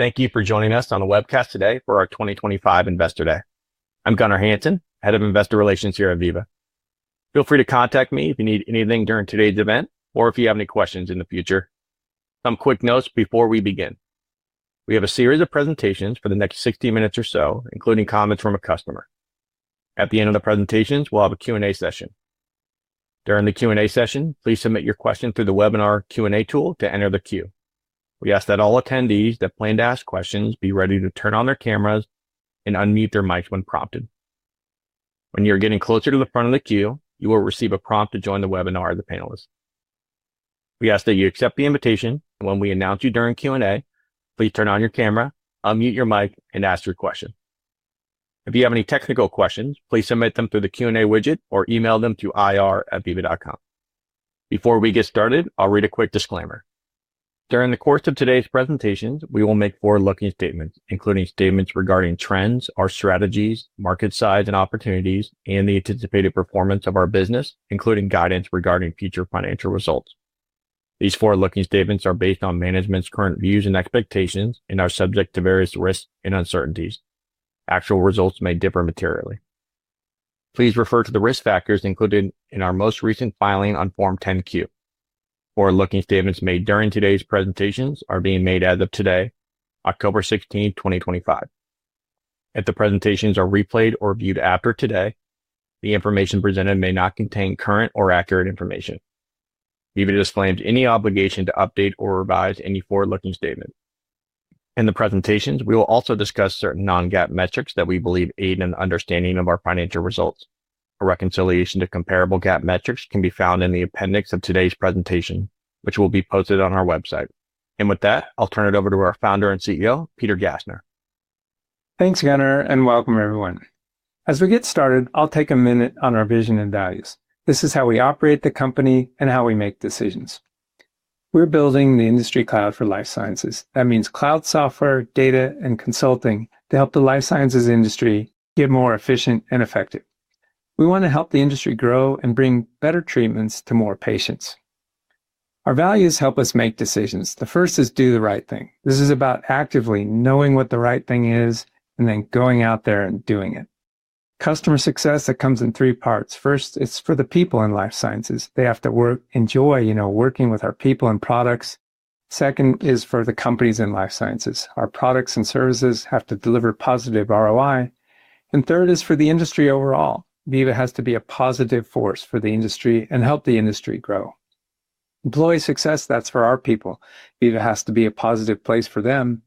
Hi, thank you for joining us on the webcast today for our 2025 Investor Day. I'm Gunnar Hansen, Head of Investor Relations here at Veeva. Feel free to contact me if you need anything during today's event or if you have any questions in the future. Some quick notes before we begin. We have a series of presentations for the next 60 minutes or so, including comments from a customer. At the end of the presentations, we'll have a Q&A session. During the Q&A session, please submit your question through the webinar Q&A tool to enter the queue. We ask that all attendees that plan to ask questions be ready to turn on their cameras and unmute their mics when prompted. When you're getting closer to the front of the queue, you will receive a prompt to join the webinar of the panelists. We ask that you accept the invitation, and when we announce you during Q&A, please turn on your camera, unmute your mic, and ask your question. If you have any technical questions, please submit them through the Q&A widget or email them to ir@veeva.com. Before we get started, I'll read a quick disclaimer. During the course of today's presentations, we will make forward-looking statements, including statements regarding trends, our strategies, market size and opportunities, and the anticipated performance of our business, including guidance regarding future financial results. These forward-looking statements are based on management's current views and expectations and are subject to various risks and uncertainties. Actual results may differ materially. Please refer to the risk factors included in our most recent filing on Form 10-Q. Forward-looking statements made during today's presentations are being made as of today, October 16, 2025. If the presentations are replayed or viewed after today, the information presented may not contain current or accurate information. Veeva disclaims any obligation to update or revise any forward-looking statements. In the presentations, we will also discuss certain non-GAAP metrics that we believe aid in understanding of our financial results. A reconciliation to comparable GAAP metrics can be found in the appendix of today's presentation, which will be posted on our website. With that, I'll turn it over to our Founder and CEO, Peter Gassner. Thanks, Gunnar, and welcome, everyone. As we get started, I'll take a minute on our vision and values. This is how we operate the company and how we make decisions. We're building the industry cloud for life sciences. That means cloud software, data, and consulting to help the life sciences industry get more efficient and effective. We want to help the industry grow and bring better treatments to more patients. Our values help us make decisions. The first is do the right thing. This is about actively knowing what the right thing is and then going out there and doing it. Customer success, that comes in three parts. First, it's for the people in life sciences. They have to enjoy working with our people and products. Second is for the companies in life sciences. Our products and services have to deliver positive ROI. Third is for the industry overall. Veeva has to be a positive force for the industry and help the industry grow. Employee success, that's for our people. Veeva has to be a positive place for them.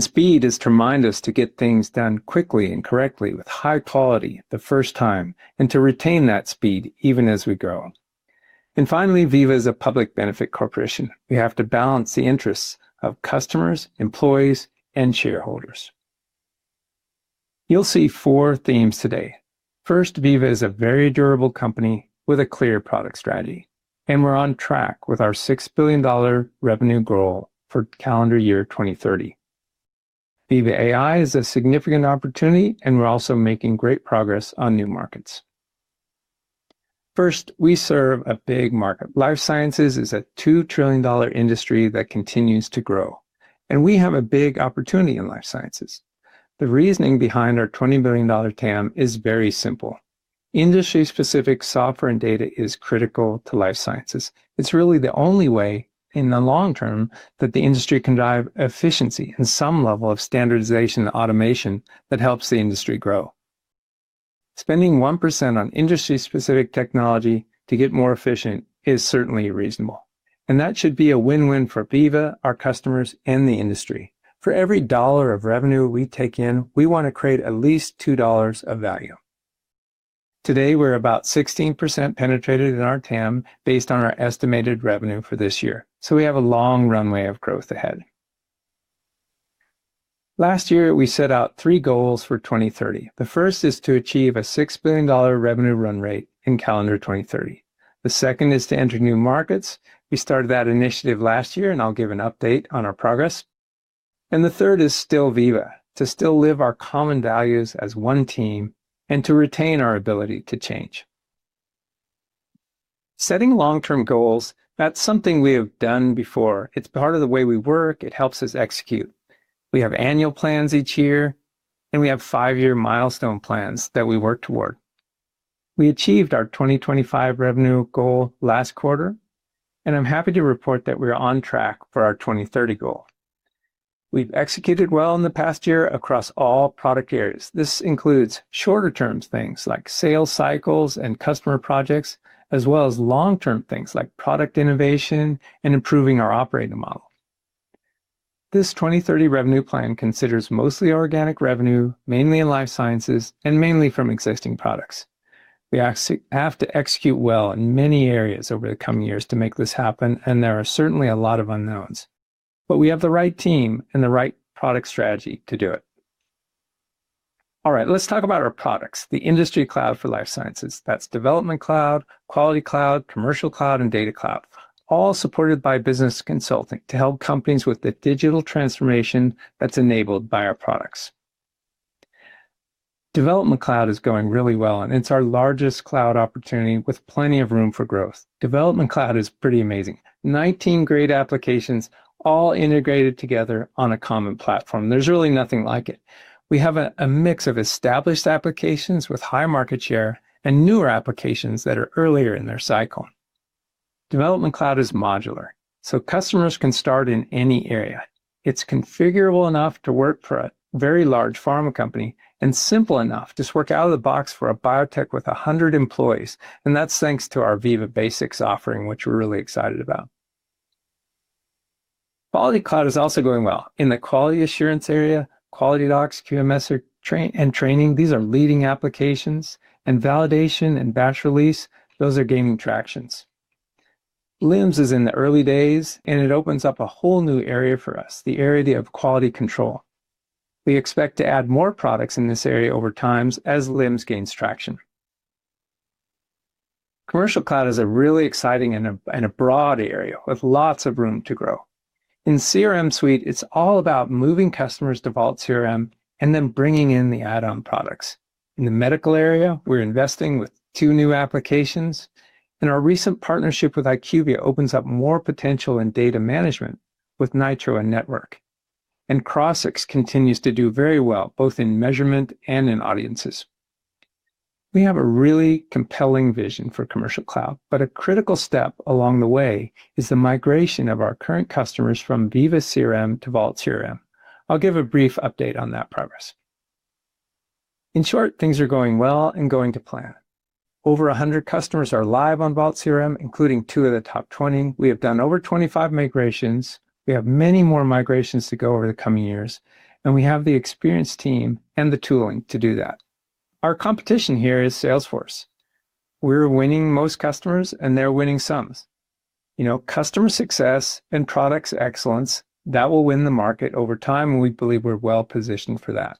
Speed is to remind us to get things done quickly and correctly with high quality the first time and to retain that speed even as we grow. Finally, Veeva is a public benefit corporation. We have to balance the interests of customers, employees, and shareholders. You'll see four themes today. First, Veeva is a very durable company with a clear product strategy. We're on track with our $6 billion revenue goal for calendar year 2030. Veeva AI is a significant opportunity, and we're also making great progress on new markets. First, we serve a big market. Life sciences is a $2 trillion industry that continues to grow. We have a big opportunity in life sciences. The reasoning behind our $20 billion TAM is very simple. Industry-specific software and data is critical to life sciences. It's really the only way in the long term that the industry can drive efficiency and some level of standardization and automation that helps the industry grow. Spending 1% on industry-specific technology to get more efficient is certainly reasonable. That should be a win-win for Veeva, our customers, and the industry. For every dollar of revenue we take in, we want to create at least $2 of value. Today, we're about 16% penetrated in our TAM based on our estimated revenue for this year. We have a long runway of growth ahead. Last year, we set out three goals for 2030. The first is to achieve a $6 billion revenue run rate in calendar 2030. The second is to enter new markets. We started that initiative last year, and I'll give an update on our progress. The third is still Veeva, to still live our common values as one team and to retain our ability to change. Setting long-term goals, that's something we have done before. It's part of the way we work. It helps us execute. We have annual plans each year, and we have five-year milestone plans that we work toward. We achieved our 2025 revenue goal last quarter, and I'm happy to report that we're on track for our 2030 goal. We've executed well in the past year across all product areas. This includes shorter-term things like sales cycles and customer projects, as well as long-term things like product innovation and improving our operating model. This 2030 revenue plan considers mostly organic revenue, mainly in life sciences, and mainly from existing products. We have to execute well in many areas over the coming years to make this happen, and there are certainly a lot of unknowns. We have the right team and the right product strategy to do it. All right, let's talk about our products, the industry cloud for life sciences. That's Development Cloud, Quality Cloud, Commercial Cloud, and Data Cloud, all supported by business consulting to help companies with the digital transformation that's enabled by our products. Development Cloud is going really well, and it's our largest cloud opportunity with plenty of room for growth. Development Cloud is pretty amazing. 19 great applications, all integrated together on a common platform. There's really nothing like it. We have a mix of established applications with high market share and newer applications that are earlier in their cycle. Development Cloud is modular, so customers can start in any area. It's configurable enough to work for a very large pharma company and simple enough to work out of the box for a biotech with 100 employees. That's thanks to our Veeva Basics offering, which we're really excited about. Quality Cloud is also going well in the quality assurance area. Quality Docs, QMS, and Training, these are leading applications. Validation and Batch Release, those are gaining traction. LIMS is in the early days, and it opens up a whole new area for us, the area of quality control. We expect to add more products in this area over time as LIMS gains traction. Commercial Cloud is a really exciting and a broad area with lots of room to grow. In CRM suite, it's all about moving customers to Vault CRM and then bringing in the add-on products. In the medical area, we're investing with two new applications, and our recent partnership with IQVIA opens up more potential in data management with Nitro and Network. Crossix continues to do very well, both in measurement and in audiences. We have a really compelling vision for Commercial Cloud, but a critical step along the way is the migration of our current customers from Veeva CRM to Vault CRM. I'll give a brief update on that progress. In short, things are going well and going to plan. Over 100 customers are live on Vault CRM, including two of the top 20. We have done over 25 migrations. We have many more migrations to go over the coming years, and we have the experienced team and the tooling to do that. Our competition here is Salesforce. We're winning most customers, and they're winning some. Customer success and product excellence, that will win the market over time, and we believe we're well-positioned for that.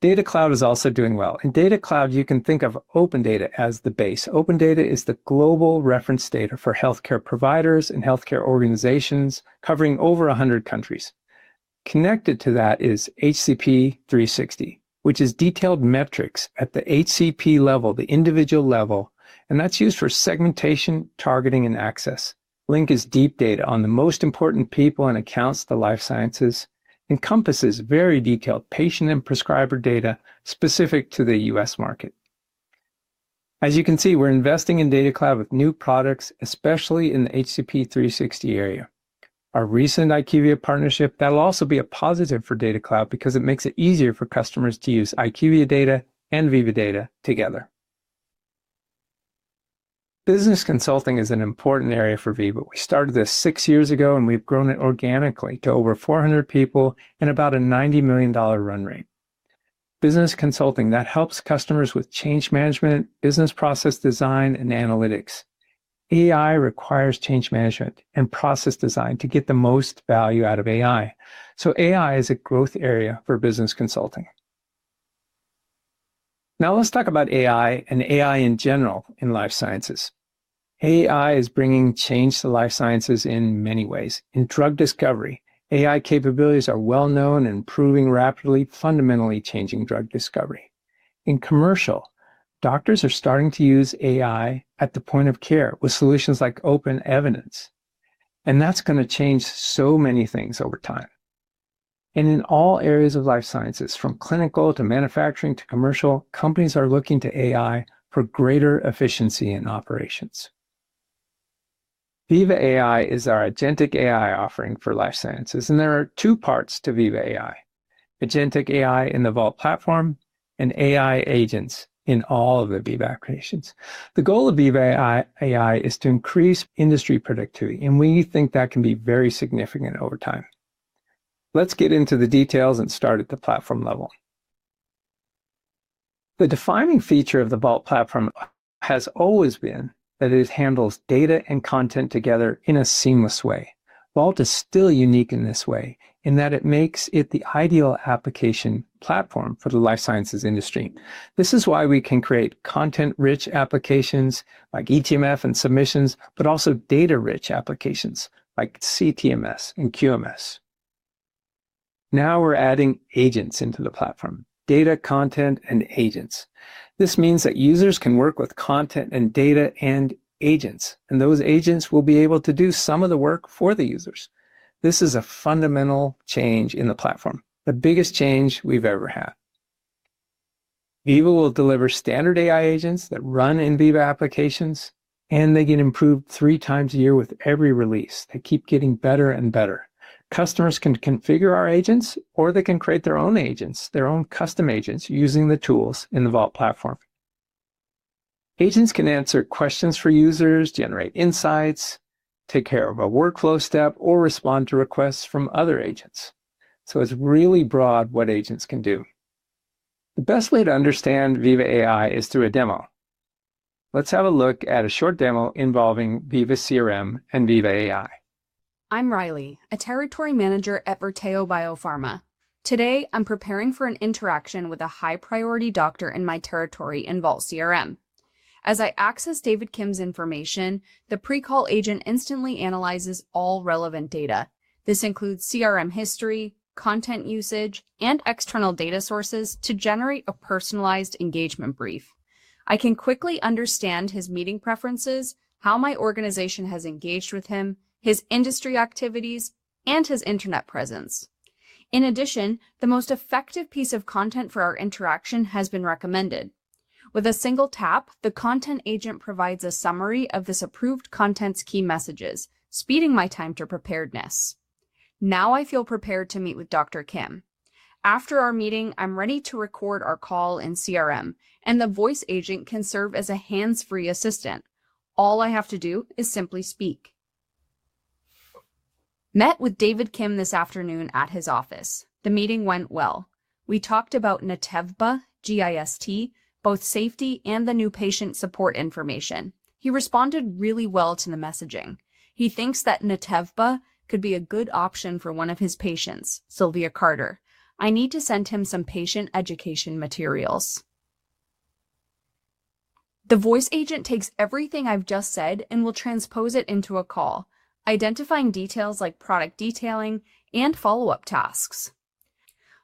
Data Cloud is also doing well. In Data Cloud, you can think of open data as the base. Open data is the global reference data for healthcare providers and healthcare organizations covering over 100 countries. Connected to that is HCP 360, which is detailed metrics at the HCP level, the individual level, and that's used for segmentation, targeting, and access. Link is deep data on the most important people and accounts to the life sciences. Encompasses very detailed patient and prescriber data specific to the U.S. market. As you can see, we're investing in Data Cloud with new products, especially in the HCP 360 area. Our recent IQVIA partnership, that'll also be a positive for Data Cloud because it makes it easier for customers to use IQVIA data and Veeva data together. Business consulting is an important area for Veeva. We started this six years ago, and we've grown it organically to over 400 people and about a $90 million run rate. Business consulting, that helps customers with change management, business process design, and analytics. AI requires change management and process design to get the most value out of AI. AI is a growth area for business consulting. Now let's talk about AI and AI in general in life sciences. AI is bringing change to life sciences in many ways. In drug discovery, AI capabilities are well known and improving rapidly, fundamentally changing drug discovery. In commercial, doctors are starting to use AI at the point of care with solutions like open evidence. That's going to change so many things over time. In all areas of life sciences, from clinical to manufacturing to commercial, companies are looking to AI for greater efficiency in operations. Veeva AI is our agentic AI offering for life sciences, and there are two parts to Veeva AI: agentic AI in the Vault platform and AI agents in all of the Veeva applications. The goal of Veeva AI is to increase industry productivity, and we think that can be very significant over time. Let's get into the details and start at the platform level. The defining feature of the Vault platform has always been that it handles data and content together in a seamless way. Vault is still unique in this way in that it makes it the ideal application platform for the life sciences industry. This is why we can create content-rich applications like ETMF and submissions, but also data-rich applications like CTMS and QMS. Now we're adding agents into the platform: data, content, and agents. This means that users can work with content and data and agents, and those agents will be able to do some of the work for the users. This is a fundamental change in the platform, the biggest change we've ever had. Veeva will deliver standard AI agents that run in Veeva applications, and they get improved 3x a year with every release. They keep getting better and better. Customers can configure our agents, or they can create their own agents, their own custom agents using the tools in the Vault platform. Agents can answer questions for users, generate insights, take care of a workflow step, or respond to requests from other agents. It's really broad what agents can do. The best way to understand Veeva AI is through a demo. Let's have a look at a short demo involving Veeva CRM and Veeva AI. I'm Riley, a Territory Manager at Verteo Biopharma. Today, I'm preparing for an interaction with a high-priority doctor in my territory in Vault CRM. As I access David Kim's information, the pre-call agent instantly analyzes all relevant data. This includes CRM history, content usage, and external data sources to generate a personalized engagement brief. I can quickly understand his meeting preferences, how my organization has engaged with him, his industry activities, and his internet presence. In addition, the most effective piece of content for our interaction has been recommended. With a single tap, the content agent provides a summary of this approved content's key messages, speeding my time to preparedness. Now I feel prepared to meet with Dr. Kim. After our meeting, I'm ready to record our call in CRM, and the voice agent can serve as a hands-free assistant. All I have to do is simply speak. Met with David Kim this afternoon at his office. The meeting went well. We talked about Nativba GIST, both safety and the new patient support information. He responded really well to the messaging. He thinks that Nativba could be a good option for one of his patients, Sylvia Carter. I need to send him some patient education materials. The voice agent takes everything I've just said and will transpose it into a call, identifying details like product detailing and follow-up tasks.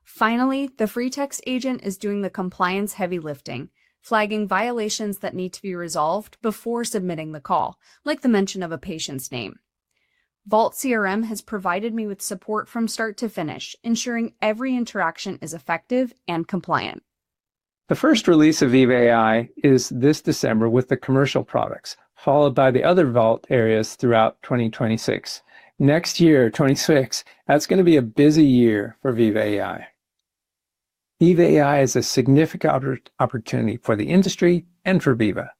Finally, the free text agent is doing the compliance heavy lifting, flagging violations that need to be resolved before submitting the call, like the mention of a patient's name. Vault CRM has provided me with support from start to finish, ensuring every interaction is effective and compliant. The first release of Veeva AI is this December with the commercial products, followed by the other Vault areas throughout 2026. Next year, 2026, that's going to be a busy year for Veeva AI. Veeva AI is a significant opportunity for the industry and for Veeva.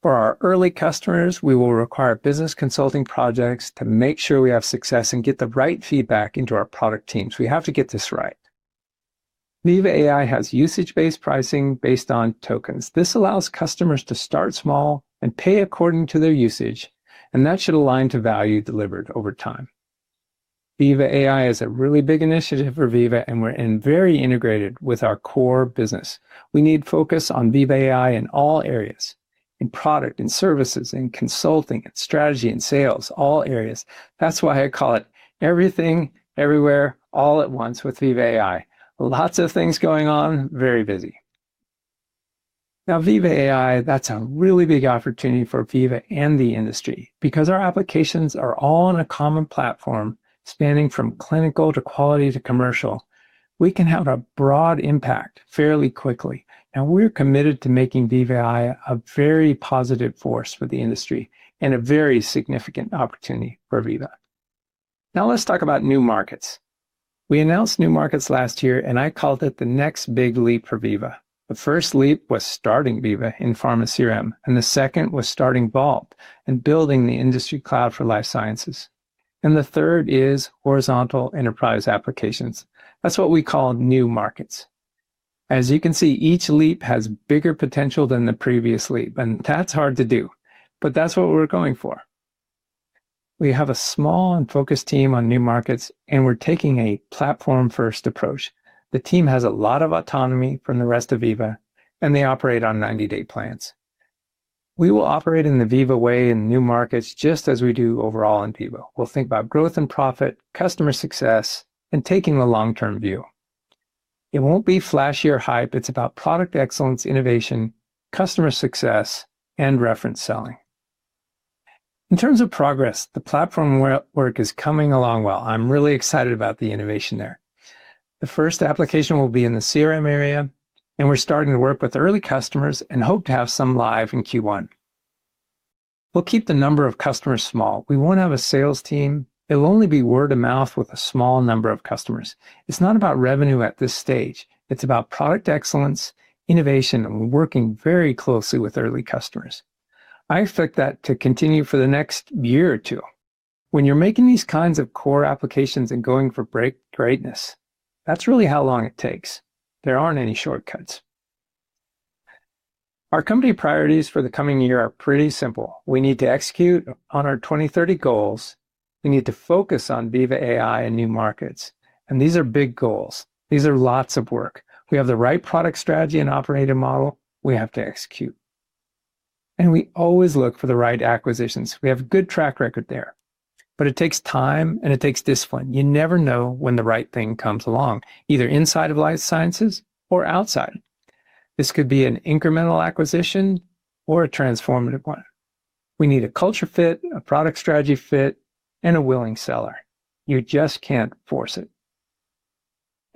For our early customers, we will require business consulting projects to make sure we have success and get the right feedback into our product teams. We have to get this right. Veeva AI has usage-based pricing based on tokens. This allows customers to start small and pay according to their usage, and that should align to value delivered over time. Veeva AI is a really big initiative for Veeva, and we're very integrated with our core business. We need focus on Veeva AI in all areas: in product, in services, in consulting, in strategy, in sales, all areas. That's why I call it everything, everywhere, all at once with Veeva AI. Lots of things going on, very busy. Now, Veeva AI, that's a really big opportunity for Veeva and the industry. Because our applications are all on a common platform, spanning from clinical to quality to commercial, we can have a broad impact fairly quickly. We're committed to making Veeva AI a very positive force for the industry and a very significant opportunity for Veeva. Now let's talk about new markets. We announced new markets last year, and I called it the next big leap for Veeva. The first leap was starting Veeva in Pharma CRM, and the second was starting Vault and building the industry cloud for life sciences. The third is horizontal enterprise applications. That's what we call new markets. As you can see, each leap has bigger potential than the previous leap, and that's hard to do, but that's what we're going for. We have a small and focused team on new markets, and we're taking a platform-first approach. The team has a lot of autonomy from the rest of Veeva, and they operate on 90-day plans. We will operate in the Veeva way in new markets, just as we do overall in Veeva. We'll think about growth and profit, customer success, and taking the long-term view. It won't be flashy or hype. It's about product excellence, innovation, customer success, and reference selling. In terms of progress, the platform work is coming along well. I'm really excited about the innovation there. The first application will be in the CRM area, and we're starting to work with early customers and hope to have some live in Q1. We'll keep the number of customers small. We won't have a sales team. It'll only be word of mouth with a small number of customers. It's not about revenue at this stage. It's about product excellence, innovation, and working very closely with early customers. I expect that to continue for the next year or two. When you're making these kinds of core applications and going for greatness, that's really how long it takes. There aren't any shortcuts. Our company priorities for the coming year are pretty simple. We need to execute on our 2030 goals. We need to focus on Veeva AI and new markets. These are big goals. These are lots of work. We have the right product strategy and operating model. We have to execute. We always look for the right acquisitions. We have a good track record there. It takes time, and it takes discipline. You never know when the right thing comes along, either inside of life sciences or outside. This could be an incremental acquisition or a transformative one. We need a culture fit, a product strategy fit, and a willing seller. You just can't force it.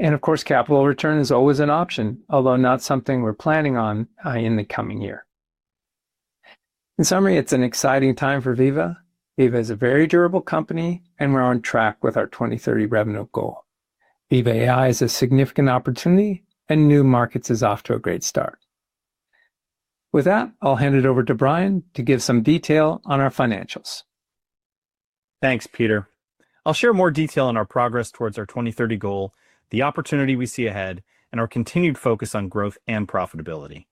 Of course, capital return is always an option, although not something we're planning on in the coming year. In summary, it's an exciting time for Veeva. Veeva is a very durable company, and we're on track with our 2030 revenue goal. Veeva AI is a significant opportunity, and new markets are off to a great start. With that, I'll hand it over to Brian to give some detail on our financials. Thanks, Peter. I'll share more detail on our progress towards our 2030 goal, the opportunity we see ahead, and our continued focus on growth and profitability.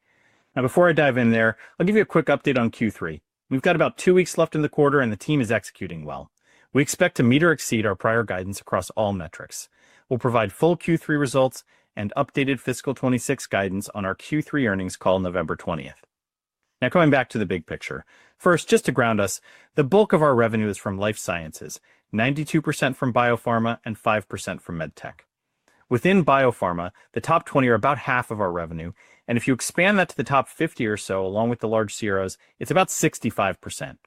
Now, before I dive in there, I'll give you a quick update on Q3. We've got about two weeks left in the quarter, and the team is executing well. We expect to meet or exceed our prior guidance across all metrics. We'll provide full Q3 results and updated fiscal 2026 guidance on our Q3 earnings call on November 20th. Now, going back to the big picture. First, just to ground us, the bulk of our revenue is from life sciences, 92% from biopharma and 5% from medtech. Within biopharma, the top 20 are about half of our revenue, and if you expand that to the top 50 or so, along with the large CROs, it's about 65%.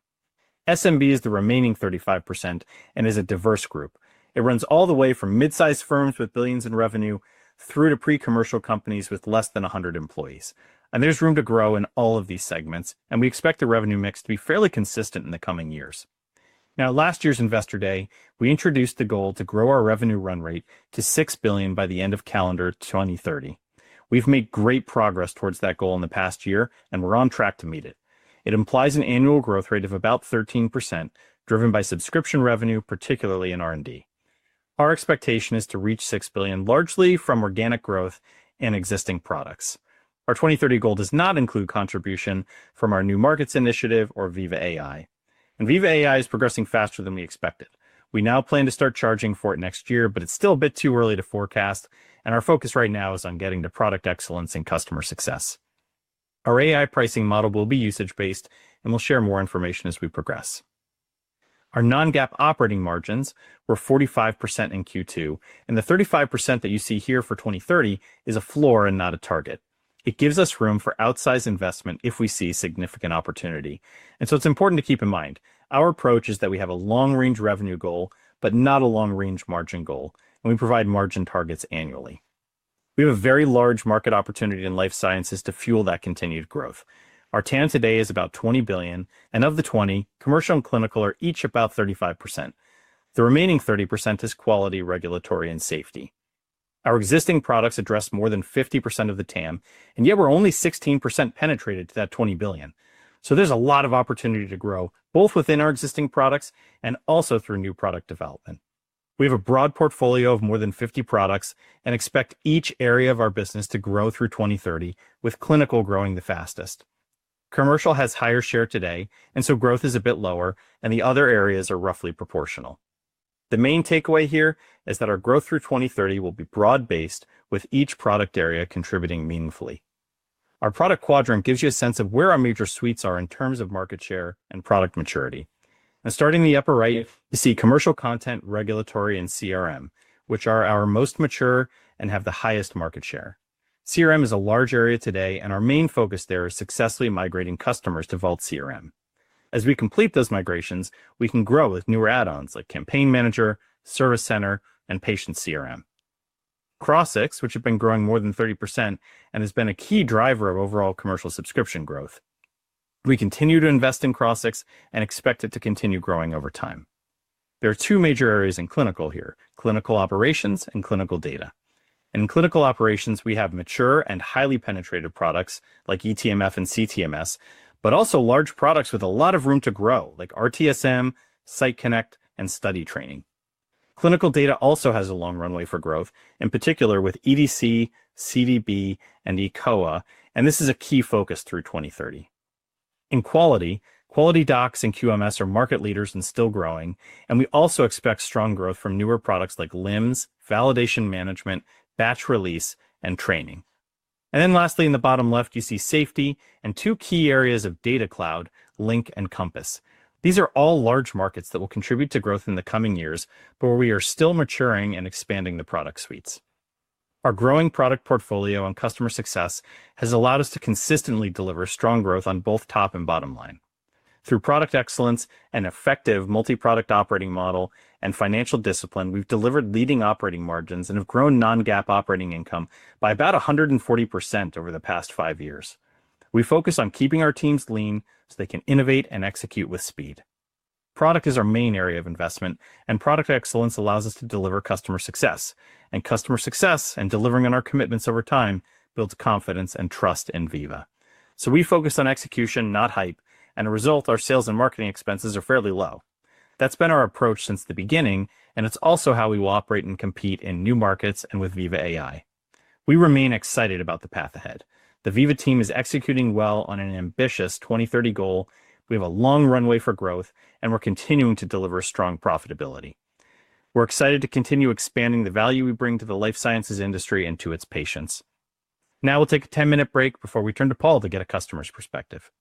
SMB is the remaining 35% and is a diverse group. It runs all the way from mid-sized firms with billions in revenue through to pre-commercial companies with less than 100 employees. There's room to grow in all of these segments, and we expect the revenue mix to be fairly consistent in the coming years. Last year's Investor Day, we introduced the goal to grow our revenue run rate to $6 billion by the end of calendar 2030. We've made great progress towards that goal in the past year, and we're on track to meet it. It implies an annual growth rate of about 13%, driven by subscription revenue, particularly in R&D. Our expectation is to reach $6 billion, largely from organic growth and existing products. Our 2030 goal does not include contribution from our new markets initiative or Veeva AI. Veeva AI is progressing faster than we expected. We now plan to start charging for it next year, but it's still a bit too early to forecast, and our focus right now is on getting to product excellence and customer success. Our AI pricing model will be usage-based, and we'll share more information as we progress. Our non-GAAP operating margins were 45% in Q2, and the 35% that you see here for 2030 is a floor and not a target. It gives us room for outsized investment if we see significant opportunity. It's important to keep in mind. Our approach is that we have a long-range revenue goal, but not a long-range margin goal, and we provide margin targets annually. We have a very large market opportunity in life sciences to fuel that continued growth. Our TAM today is about $20 billion, and of the 20, commercial and clinical are each about 35%. The remaining 30% is quality, regulatory, and safety. Our existing products address more than 50% of the TAM, and yet we're only 16% penetrated to that $20 billion. There's a lot of opportunity to grow, both within our existing products and also through new product development. We have a broad portfolio of more than 50 products and expect each area of our business to grow through 2030, with clinical growing the fastest. Commercial has higher share today, so growth is a bit lower, and the other areas are roughly proportional. The main takeaway here is that our growth through 2030 will be broad-based, with each product area contributing meaningfully. Our product quadrant gives you a sense of where our major suites are in terms of market share and product maturity. Now, starting in the upper right, you see commercial content, regulatory, and CRM, which are our most mature and have the highest market share. CRM is a large area today, and our main focus there is successfully migrating customers to Vault CRM. As we complete those migrations, we can grow with newer add-ons like Campaign Manager, Service Center, and Patient CRM. Crossix, which has been growing more than 30% and has been a key driver of overall commercial subscription growth. We continue to invest in Crossix and expect it to continue growing over time. There are two major areas in clinical here: clinical operations and clinical data. In clinical operations, we have mature and highly penetrated products like ETMF and CTMS, but also large products with a lot of room to grow, like RTSM, Site Connect, and Study Training. Clinical data also has a long runway for growth, in particular with EDC, CDB, and ECOA, and this is a key focus through 2030. In quality, Quality Docs and QMS are market leaders and still growing, and we also expect strong growth from newer products like LIMS, validation management, batch release, and training. Lastly, in the bottom left, you see safety and two key areas of Data Cloud, Link and Compass. These are all large markets that will contribute to growth in the coming years, but where we are still maturing and expanding the product suites. Our growing product portfolio and customer success has allowed us to consistently deliver strong growth on both top and bottom line. Through product excellence, an effective multi-product operating model, and financial discipline, we've delivered leading operating margins and have grown non-GAAP operating income by about 140% over the past five years. We focus on keeping our teams lean so they can innovate and execute with speed. Product is our main area of investment, and product excellence allows us to deliver customer success. Customer success and delivering on our commitments over time build confidence and trust in Veeva. We focus on execution, not hype, and as a result, our sales and marketing expenses are fairly low. That's been our approach since the beginning, and it's also how we will operate and compete in new markets and with Veeva AI. We remain excited about the path ahead. The Veeva team is executing well on an ambitious 2030 goal. We have a long runway for growth, and we're continuing to deliver strong profitability. We're excited to continue expanding the value we bring to the life sciences industry and to its patients. Now we'll take a 10-minute break before we turn to Paul to get a customer's perspective.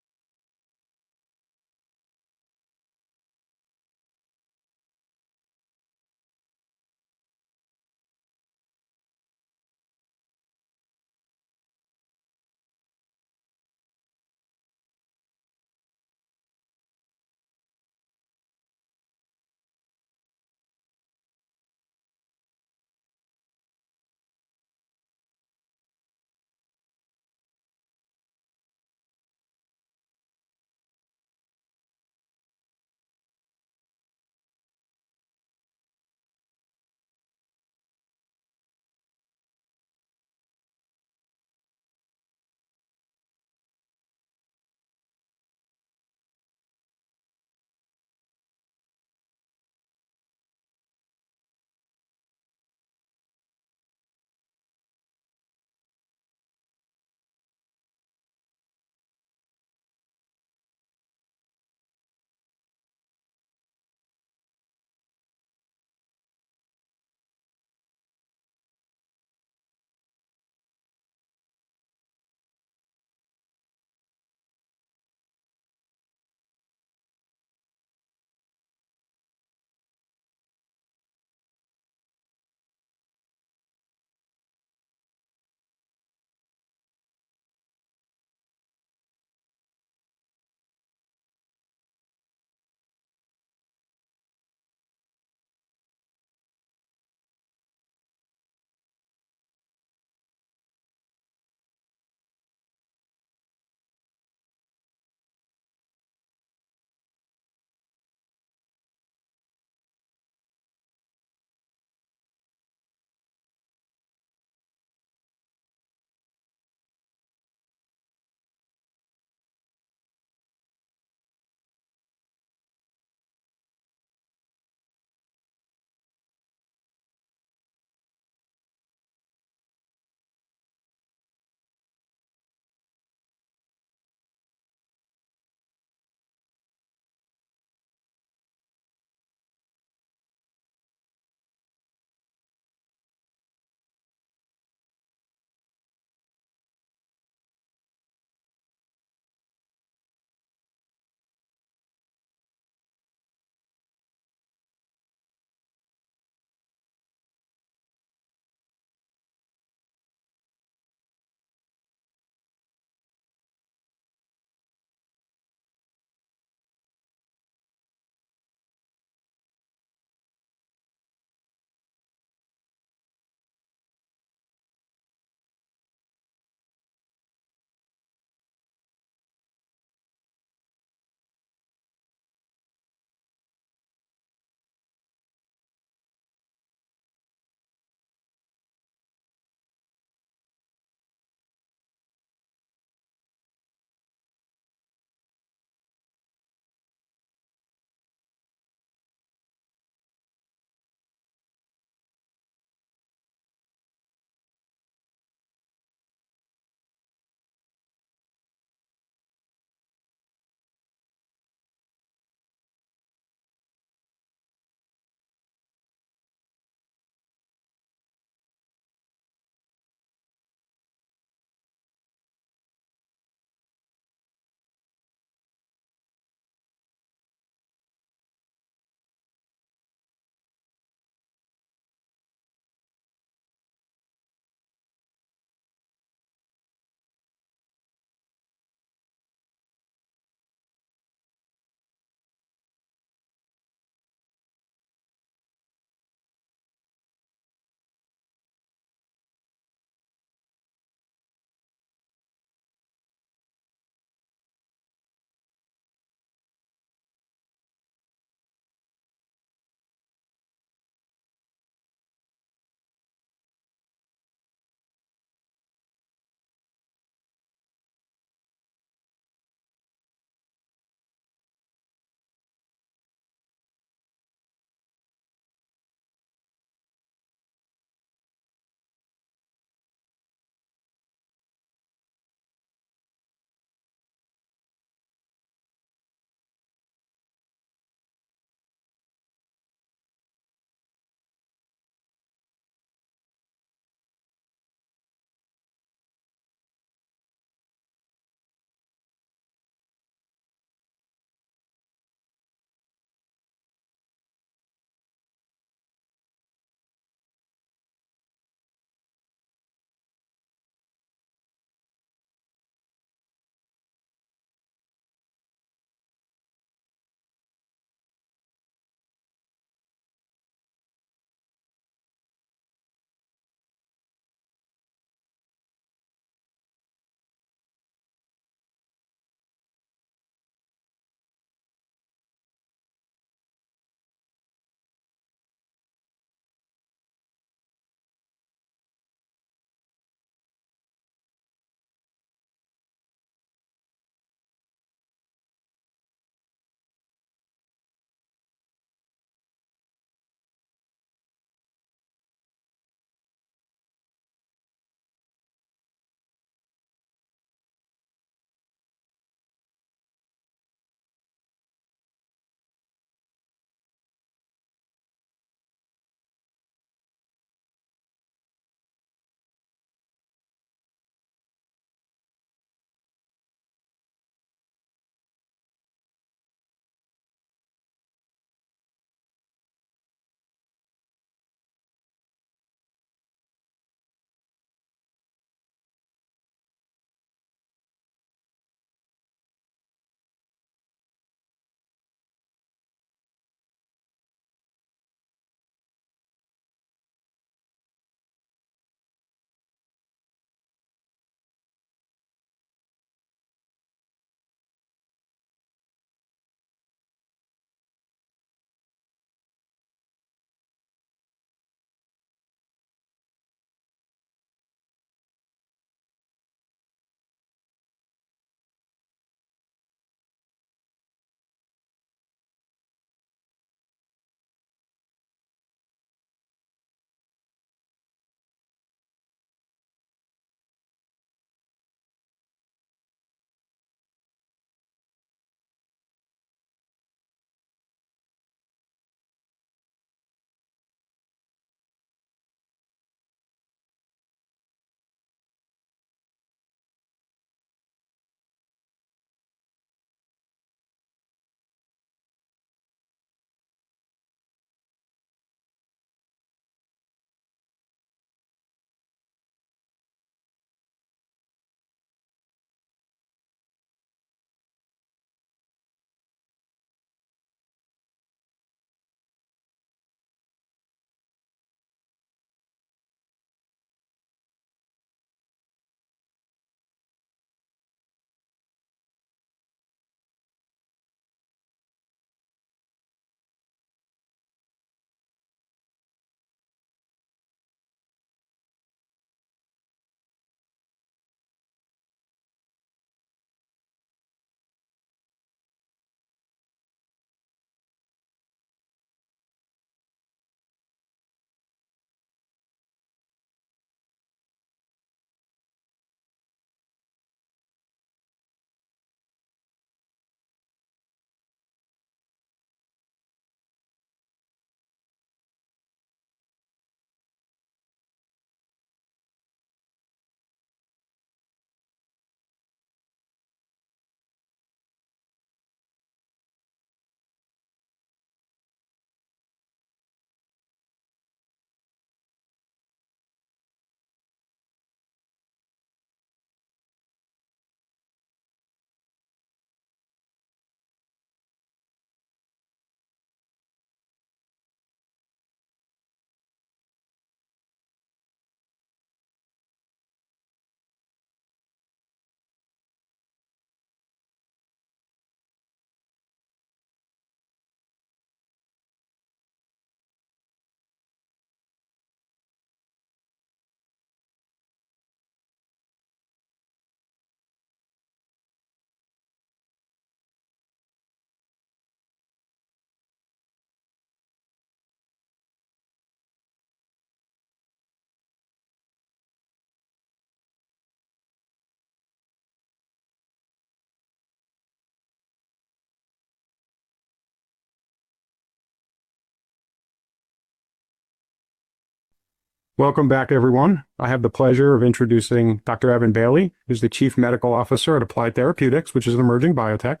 Welcome back, everyone. I have the pleasure of introducing Dr. Evan Bailey, who's the Chief Medical Officer at Applied Therapeutics, which is an emerging biotech.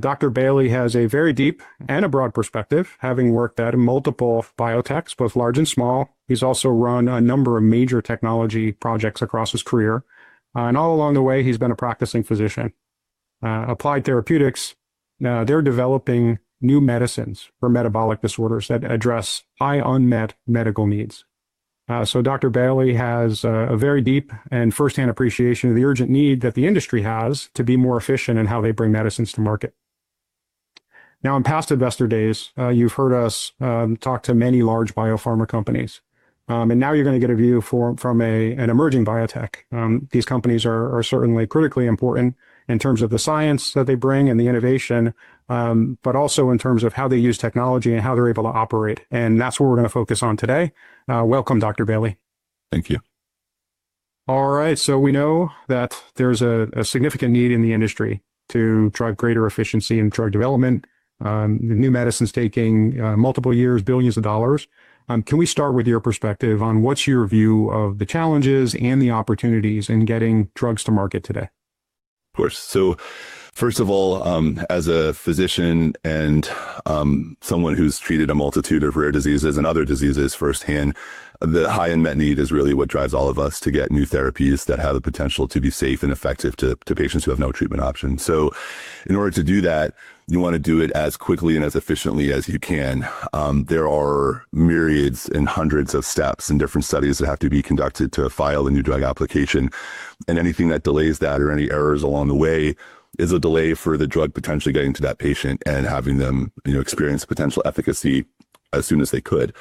Dr. Bailey has a very deep and a broad perspective, having worked at multiple biotechs, both large and small. He's also run a number of major technology projects across his career. All along the way, he's been a practicing physician. Applied Therapeutics, they're developing new medicines for metabolic disorders that address high unmet medical needs. Dr. Bailey has a very deep and firsthand appreciation of the urgent need that the industry has to be more efficient in how they bring medicines to market. In past Investor Days, you've heard us talk to many large biopharma companies. Now you're going to get a view from an emerging biotech. These companies are certainly critically important in terms of the science that they bring and the innovation, but also in terms of how they use technology and how they're able to operate. That's what we're going to focus on today. Welcome, Dr. Bailey. Thank you. All right, we know that there's a significant need in the industry to drive greater efficiency in drug development. The new medicine is taking multiple years, billions of dollars. Can we start with your perspective on what's your view of the challenges and the opportunities in getting drugs to market today? Of course. First of all, as a physician and someone who's treated a multitude of rare diseases and other diseases firsthand, the high unmet need is really what drives all of us to get new therapies that have the potential to be safe and effective to patients who have no treatment options. In order to do that, you want to do it as quickly and as efficiently as you can. There are myriads and hundreds of steps and different studies that have to be conducted to file a new drug application. Anything that delays that or any errors along the way is a delay for the drug potentially getting to that patient and having them experience potential efficacy as soon as they could.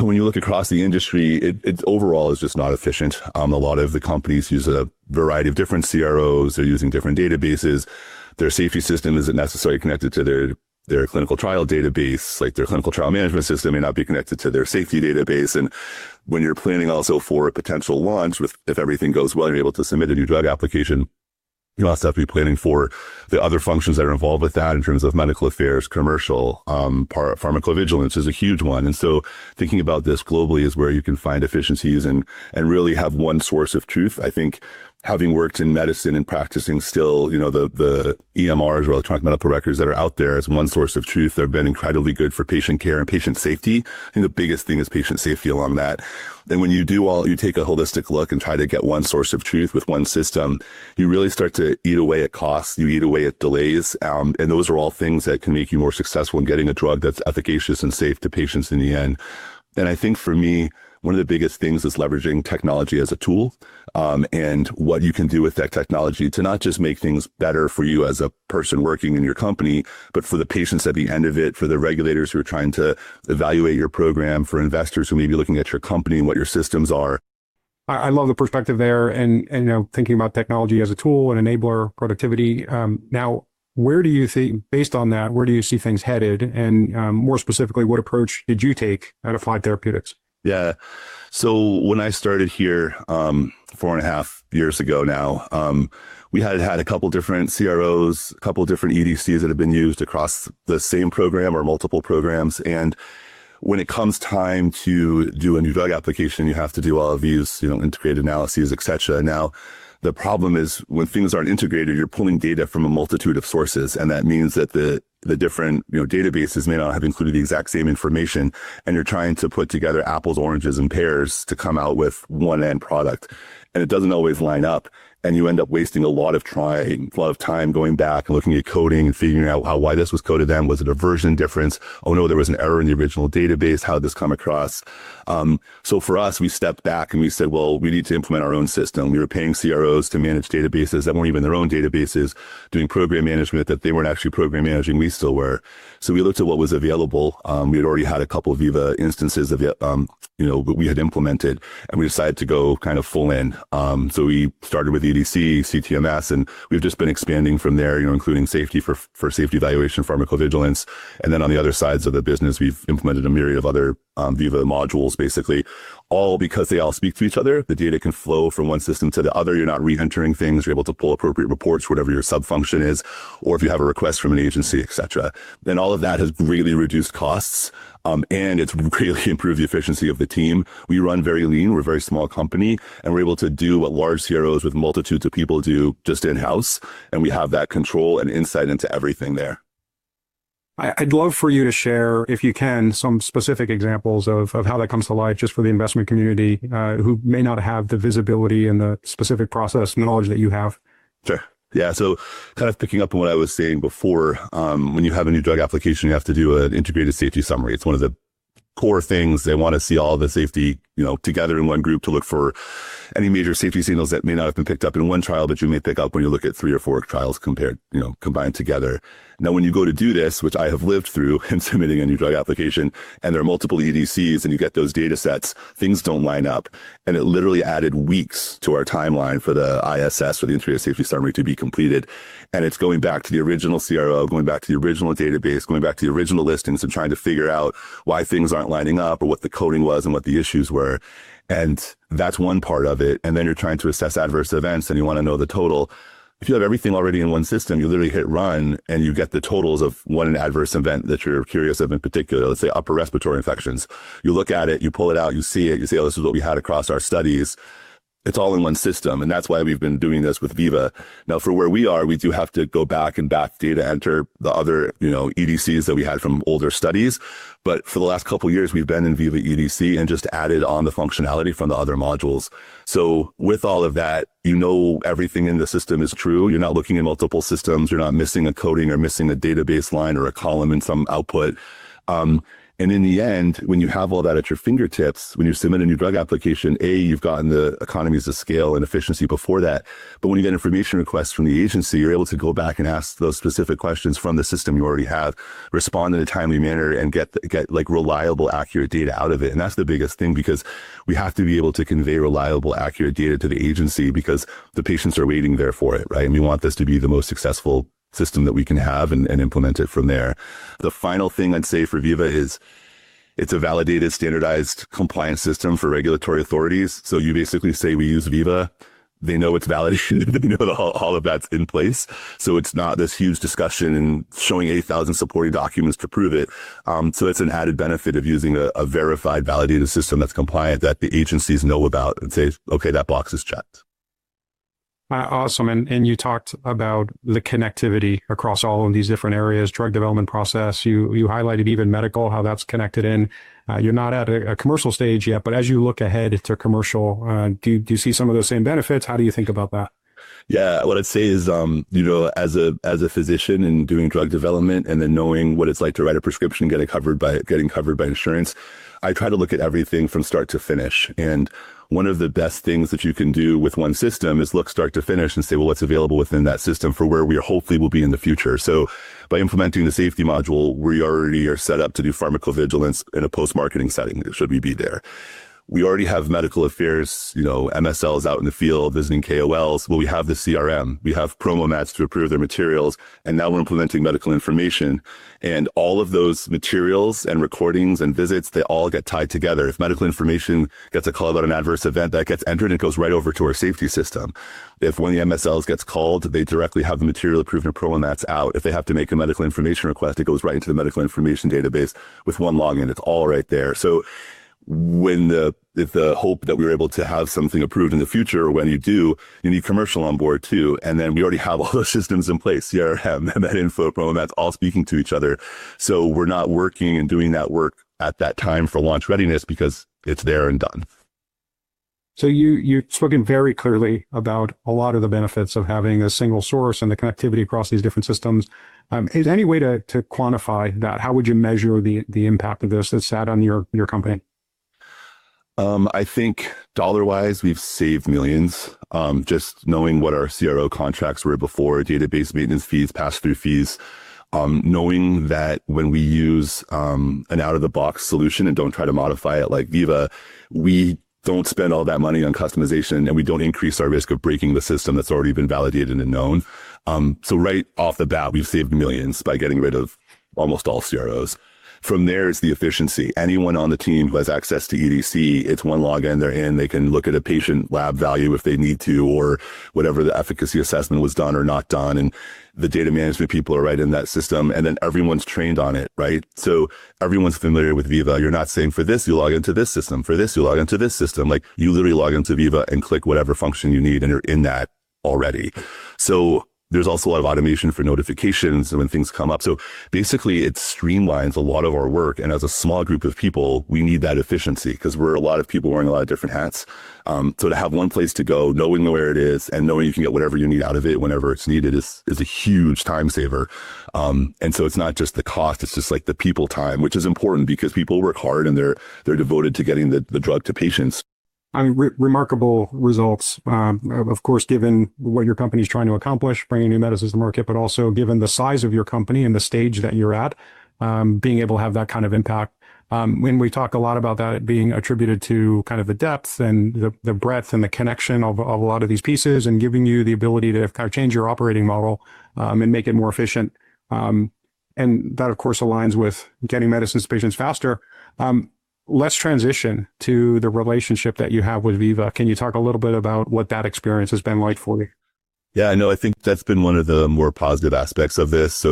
When you look across the industry, it overall is just not efficient. A lot of the companies use a variety of different CROs. They're using different databases. Their safety system isn't necessarily connected to their clinical trial database. Their clinical trial management system may not be connected to their safety database. When you're planning also for a potential launch, if everything goes well, you're able to submit a new drug application. You also have to be planning for the other functions that are involved with that in terms of medical affairs, commercial, pharmacovigilance is a huge one. Thinking about this globally is where you can find efficiencies and really have one source of truth. I think having worked in medicine and practicing still, the EMRs or electronic medical records that are out there as one source of truth, they've been incredibly good for patient care and patient safety. I think the biggest thing is patient safety along that. When you do all, you take a holistic look and try to get one source of truth with one system, you really start to eat away at costs. You eat away at delays. Those are all things that can make you more successful in getting a drug that's efficacious and safe to patients in the end. I think for me, one of the biggest things is leveraging technology as a tool and what you can do with that technology to not just make things better for you as a person working in your company, but for the patients at the end of it, for the regulators who are trying to evaluate your program, for investors who may be looking at your company and what your systems are. I love the perspective there and thinking about technology as a tool and enabler of productivity. Now, where do you think, based on that, where do you see things headed? More specifically, what approach did you take at Applied Therapeutics? Yeah, so when I started here 4.5 years ago now, we had had a couple of different CROs, a couple of different EDCs that have been used across the same program or multiple programs. When it comes time to do a new drug application, you have to do all of these integrated analyses, etc. The problem is when things aren't integrated, you're pulling data from a multitude of sources. That means that the different databases may not have included the exact same information. You're trying to put together apples, oranges, and pears to come out with one end product. It doesn't always line up. You end up wasting a lot of time going back and looking at coding and figuring out why this was coded then. Was it a version difference? Oh no, there was an error in the original database. How did this come across? For us, we stepped back and we said we need to implement our own system. We were paying CROs to manage databases that weren't even their own databases, doing program management that they weren't actually program managing. We still were. We looked at what was available. We had already had a couple of Veeva instances that we had implemented. We decided to go kind of full in. We started with EDC, CTMS, and we've just been expanding from there, including safety for safety evaluation, pharmacovigilance. On the other sides of the business, we've implemented a myriad of other Veeva modules, basically, all because they all speak to each other. The data can flow from one system to the other. You're not re-entering things. You're able to pull appropriate reports, whatever your sub-function is, or if you have a request from an agency, etc. All of that has greatly reduced costs. It's greatly improved the efficiency of the team. We run very lean. We're a very small company. We're able to do what large CROs with multitudes of people do just in-house. We have that control and insight into everything there. I'd love for you to share, if you can, some specific examples of how that comes to life just for the investment community who may not have the visibility and the specific process and the knowledge that you have. Sure. Yeah, so kind of picking up on what I was saying before, when you have a new drug application, you have to do an integrated safety summary. It's one of the core things. They want to see all the safety together in one group to look for any major safety signals that may not have been picked up in one trial, but you may pick up when you look at three or four trials combined together. Now, when you go to do this, which I have lived through in submitting a new drug application, and there are multiple EDCs, and you get those data sets, things don't line up. It literally added weeks to our timeline for the ISS, for the integrated safety summary to be completed. It is going back to the original CRO, going back to the original database, going back to the original listings and trying to figure out why things aren't lining up or what the coding was and what the issues were. That's one part of it. Then you're trying to assess adverse events, and you want to know the total. If you have everything already in one system, you literally hit run, and you get the totals of one adverse event that you're curious of in particular, let's say upper respiratory infections. You look at it, you pull it out, you see it, you say, oh, this is what we had across our studies. It's all in one system. That's why we've been doing this with Veeva. Now, for where we are, we do have to go back and back data enter the other EDCs that we had from older studies. For the last couple of years, we've been in Veeva EDC and just added on the functionality from the other modules. With all of that, you know everything in the system is true. You're not looking at multiple systems. You're not missing a coding or missing a database line or a column in some output. In the end, when you have all that at your fingertips, when you submit a new drug application, A, you've gotten the economies of scale and efficiency before that. When you get information requests from the agency, you're able to go back and ask those specific questions from the system you already have, respond in a timely manner, and get reliable, accurate data out of it. That's the biggest thing because we have to be able to convey reliable, accurate data to the agency because the patients are waiting there for it. We want this to be the most successful system that we can have and implement it from there. The final thing I'd say for Veeva is it's a validated, standardized compliance system for regulatory authorities. You basically say we use Veeva. They know it's validated. They know that all of that's in place. It's not this huge discussion and showing 8,000 supporting documents to prove it. It's an added benefit of using a verified, validated system that's compliant that the agencies know about and say, OK, that box is checked. Awesome. You talked about the connectivity across all of these different areas, drug development process. You highlighted even medical, how that's connected in. You're not at a commercial stage yet, but as you look ahead to commercial, do you see some of those same benefits? How do you think about that? What I'd say is, as a physician in doing drug development and then knowing what it's like to write a prescription and get it covered by insurance, I try to look at everything from start to finish. One of the best things that you can do with one system is look start to finish and say, what's available within that system for where we hopefully will be in the future. By implementing the safety module, we already are set up to do pharmacovigilance in a post-marketing setting. It should be there. We already have medical affairs, MSLs out in the field visiting KOLs. We have the CRM. We have PromoMats to approve their materials. Now we're implementing medical information. All of those materials and recordings and visits, they all get tied together. If medical information gets a call about an adverse event, that gets entered and it goes right over to our safety system. If one of the MSLs gets called, they directly have the material approved and a pro and that's out. If they have to make a medical information request, it goes right into the medical information database with one login. It's all right there. If the hope that we were able to have something approved in the future, or when you do, you need commercial on board too. We already have all those systems in place, CRM, med info, PromoMats, all speaking to each other. We're not working and doing that work at that time for launch readiness because it's there and done. You're talking very clearly about a lot of the benefits of having a single source and the connectivity across these different systems. Is there any way to quantify that? How would you measure the impact of this that sat on your company? I think dollar-wise, we've saved millions just knowing what our CRO contracts were before, database maintenance fees, pass-through fees. Knowing that when we use an out-of-the-box solution and don't try to modify it like Veeva, we don't spend all that money on customization, and we don't increase our risk of breaking the system that's already been validated and known. Right off the bat, we've saved millions by getting rid of almost all CROs. From there is the efficiency. Anyone on the team who has access to EDC, it's one login, they're in. They can look at a patient lab value if they need to or whatever the efficacy assessment was done or not done. The data management people are right in that system, and then everyone's trained on it. Everyone's familiar with Veeva. You're not saying for this, you log into this system. For this, you log into this system. You literally log into Veeva and click whatever function you need, and you're in that already. There's also a lot of automation for notifications when things come up. Basically, it streamlines a lot of our work. As a small group of people, we need that efficiency because we're a lot of people wearing a lot of different hats. To have one place to go, knowing where it is, and knowing you can get whatever you need out of it whenever it's needed is a huge time saver. It's not just the cost. It's just like the people time, which is important because people work hard, and they're devoted to getting the drug to patients. I mean, remarkable results. Of course, given what your company is trying to accomplish, bringing new medicines to market, but also given the size of your company and the stage that you're at, being able to have that kind of impact. We talk a lot about that being attributed to the depth and the breadth and the connection of a lot of these pieces and giving you the ability to change your operating model and make it more efficient. That, of course, aligns with getting medicines to patients faster. Let's transition to the relationship that you have with Veeva. Can you talk a little bit about what that experience has been like for you? Yeah, no, I think that's been one of the more positive aspects of this.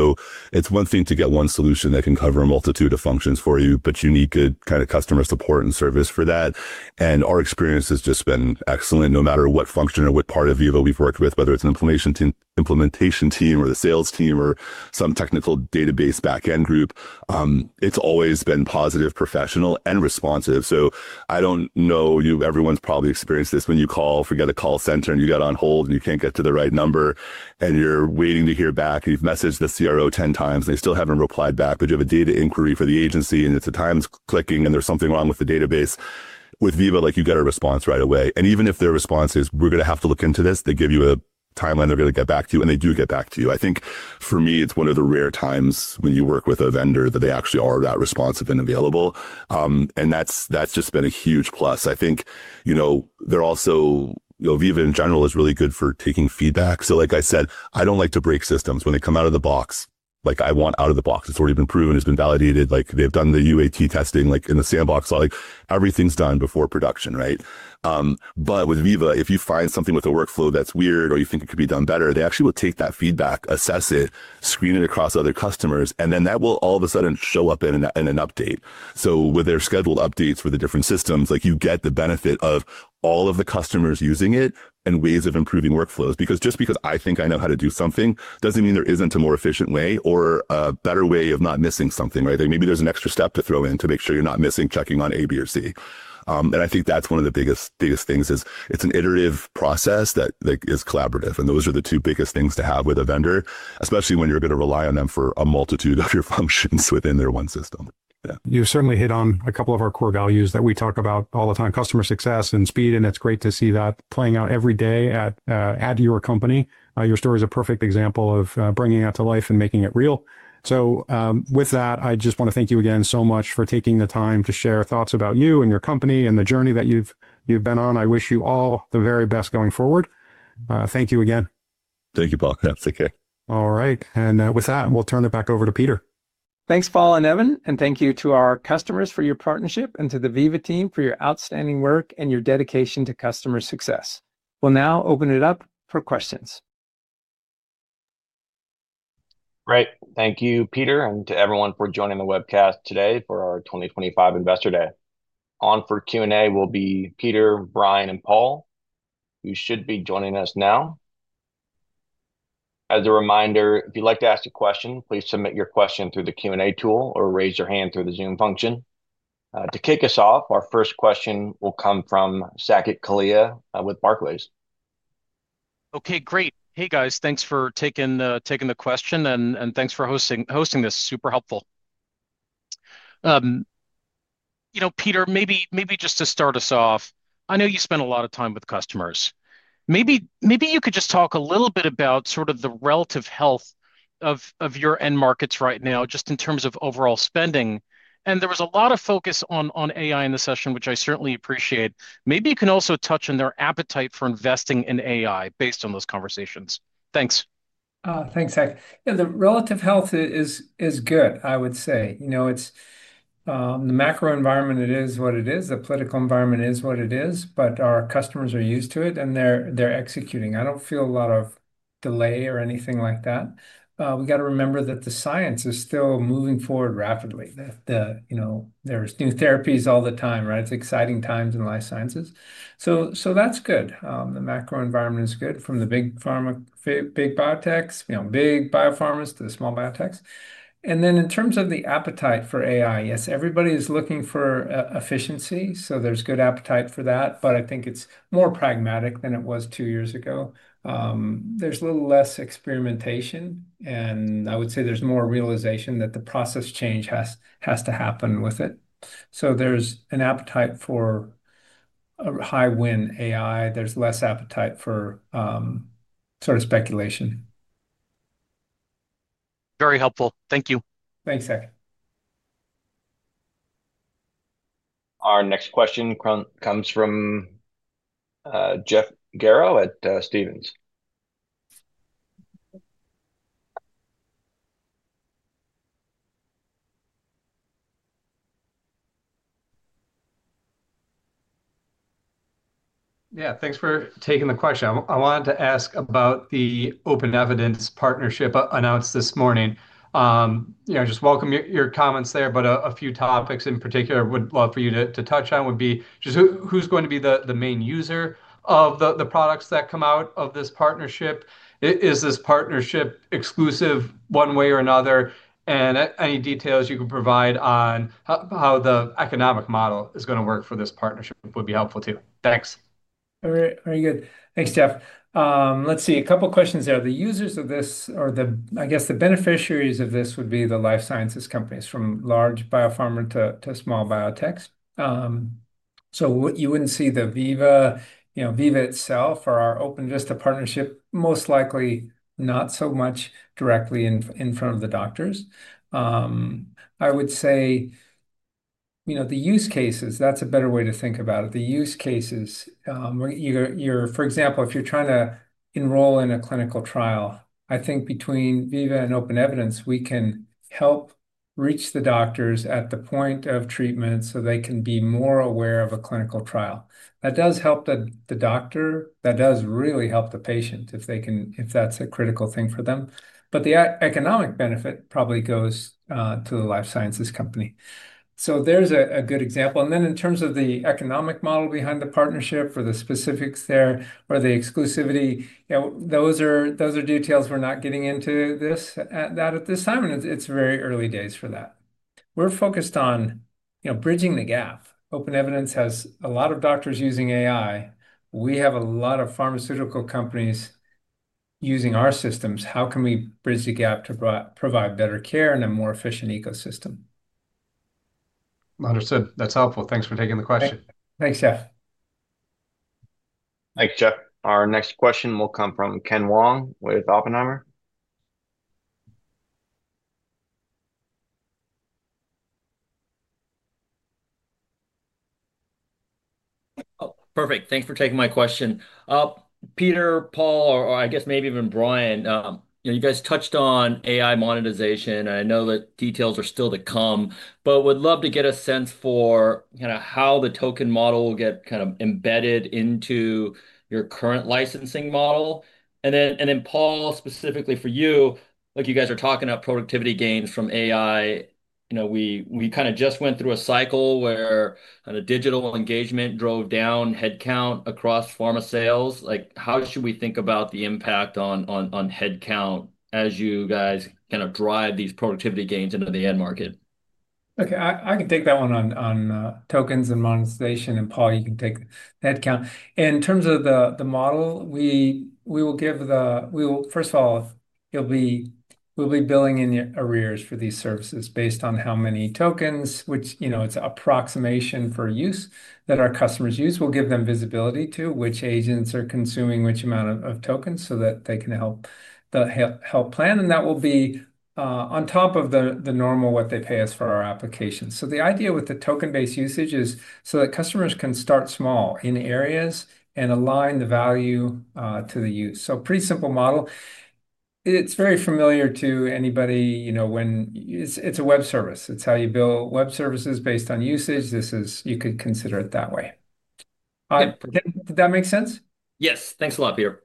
It's one thing to get one solution that can cover a multitude of functions for you, but you need good kind of customer support and service for that. Our experience has just been excellent. No matter what function or what part of Veeva we've worked with, whether it's an implementation team or the sales team or some technical database backend group, it's always been positive, professional, and responsive. Everyone's probably experienced this. When you call, forget a call center, and you get on hold, and you can't get to the right number, and you're waiting to hear back, and you've messaged the CRO 10x, and they still haven't replied back, but you have a data inquiry for the agency, and it's at times clicking, and there's something wrong with the database. With Veeva, you get a response right away. Even if their response is, we're going to have to look into this, they give you a timeline they're going to get back to you, and they do get back to you. I think for me, it's one of the rare times when you work with a vendor that they actually are that responsive and available. That's just been a huge plus. I think, you know, Veeva in general is really good for taking feedback. Like I said, I don't like to break systems. When they come out of the box, like I want out of the box, it's already been proven, it's been validated, like they've done the UAT testing, like in the sandbox, like everything's done before production. With Veeva, if you find something with a workflow that's weird or you think it could be done better, they actually will take that feedback, assess it, screen it across other customers, and then that will all of a sudden show up in an update. With their scheduled updates with the different systems, you get the benefit of all of the customers using it and ways of improving workflows. Just because I think I know how to do something doesn't mean there isn't a more efficient way or a better way of not missing something. Maybe there's an extra step to throw in to make sure you're not missing checking on A, B, or C. I think that's one of the biggest things. It's an iterative process that is collaborative. Those are the two biggest things to have with a vendor, especially when you're going to rely on them for a multitude of your functions within their one system. You've certainly hit on a couple of our core values that we talk about all the time, customer success and speed. It's great to see that playing out every day at your company. Your story is a perfect example of bringing that to life and making it real. I just want to thank you again so much for taking the time to share thoughts about you and your company and the journey that you've been on. I wish you all the very best going forward. Thank you again. Thank you, Paul. Take care. All right. With that, we'll turn it back over to Peter. Thanks, Paul and Evan. Thank you to our customers for your partnership and to the Veeva team for your outstanding work and your dedication to customer success. We'll now open it up for questions. Great. Thank you, Peter, and to everyone for joining the webcast today for our 2025 Investor Day. On for Q&A will be Peter, Brian, and Paul, who should be joining us now. As a reminder, if you'd like to ask a question, please submit your question through the Q&A tool or raise your hand through the Zoom function. To kick us off, our first question will come from Saket Kalia with Barclays. Okay, great. Hey guys, thanks for taking the question and thanks for hosting this. Super helpful. You know, Peter, maybe just to start us off, I know you spend a lot of time with customers. Maybe you could just talk a little bit about sort of the relative health of your end markets right now, just in terms of overall spending. There was a lot of focus on AI in the session, which I certainly appreciate. Maybe you can also touch on their appetite for investing in AI based on those conversations. Thanks. Thanks, Saket. The relative health is good, I would say. You know, the macro environment, it is what it is. The political environment is what it is, but our customers are used to it and they're executing. I don't feel a lot of delay or anything like that. We got to remember that the science is still moving forward rapidly. There's new therapies all the time. It's exciting times in life sciences. That's good. The macro environment is good from the big biotechs, big biopharmas, to the small biotechs. In terms of the appetite for AI, yes, everybody is looking for efficiency. There's good appetite for that. I think it's more pragmatic than it was two years ago. There's a little less experimentation. I would say there's more realization that the process change has to happen with it. There's an appetite for a high win AI. There's less appetite for sort of speculation. Very helpful. Thank you. Thanks, Saket. Our next question comes from Jeff Garro at Stephens. Yeah, thanks for taking the question. I wanted to ask about the Open Evidence partnership announced this morning. I welcome your comments there. A few topics in particular I would love for you to touch on would be just who is going to be the main user of the products that come out of this partnership. Is this partnership exclusive one way or another? Any details you could provide on how the economic model is going to work for this partnership would be helpful too. Thanks. All right, very good. Thanks, Jeff. Let's see, a couple of questions there. The users of this, or I guess the beneficiaries of this, would be the life sciences companies from large biopharma to small biotechs. You wouldn't see Veeva itself or our open just a partnership, most likely not so much directly in front of the doctors. I would say the use cases, that's a better way to think about it. The use cases, for example, if you're trying to enroll in a clinical trial, I think between Veeva and Open Evidence, we can help reach the doctors at the point of treatment so they can be more aware of a clinical trial. That does help the doctor. That does really help the patient if they can, if that's a critical thing for them. The economic benefit probably goes to the life sciences company. There's a good example. In terms of the economic model behind the partnership or the specifics there or the exclusivity, those are details we're not getting into at this time. It's very early days for that. We're focused on bridging the gap. Open Evidence has a lot of doctors using AI. We have a lot of pharmaceutical companies using our systems. How can we bridge the gap to provide better care in a more efficient ecosystem? Understood. That's helpful. Thanks for taking the question. Thanks, Jeff. Thanks, Jeff. Our next question will come from Ken Wong with Oppenheimer. Oh, perfect. Thanks for taking my question. Peter, Paul, or I guess maybe even Brian, you know, you guys touched on AI monetization. I know that details are still to come, but would love to get a sense for kind of how the token model will get kind of embedded into your current licensing model. Paul, specifically for you, like you guys are talking about productivity gains from AI, you know, we kind of just went through a cycle where kind of digital engagement drove down headcount across pharma sales. How should we think about the impact on headcount as you guys kind of drive these productivity gains into the end market? Okay, I can take that one on tokens and monetization. Paul, you can take headcount. In terms of the model, we will give the, we will, first of all, we'll be billing in arrears for these services based on how many tokens, which, you know, it's an approximation for use that our customers use. We'll give them visibility to which agents are consuming which amount of tokens so that they can help plan. That will be on top of the normal what they pay us for our applications. The idea with the token-based usage is that customers can start small in areas and align the value to the use. A pretty simple model. It's very familiar to anybody, you know, when it's a web service. It's how you build web services based on usage. You could consider it that way. Did that make sense? Yes, thanks a lot, Peter.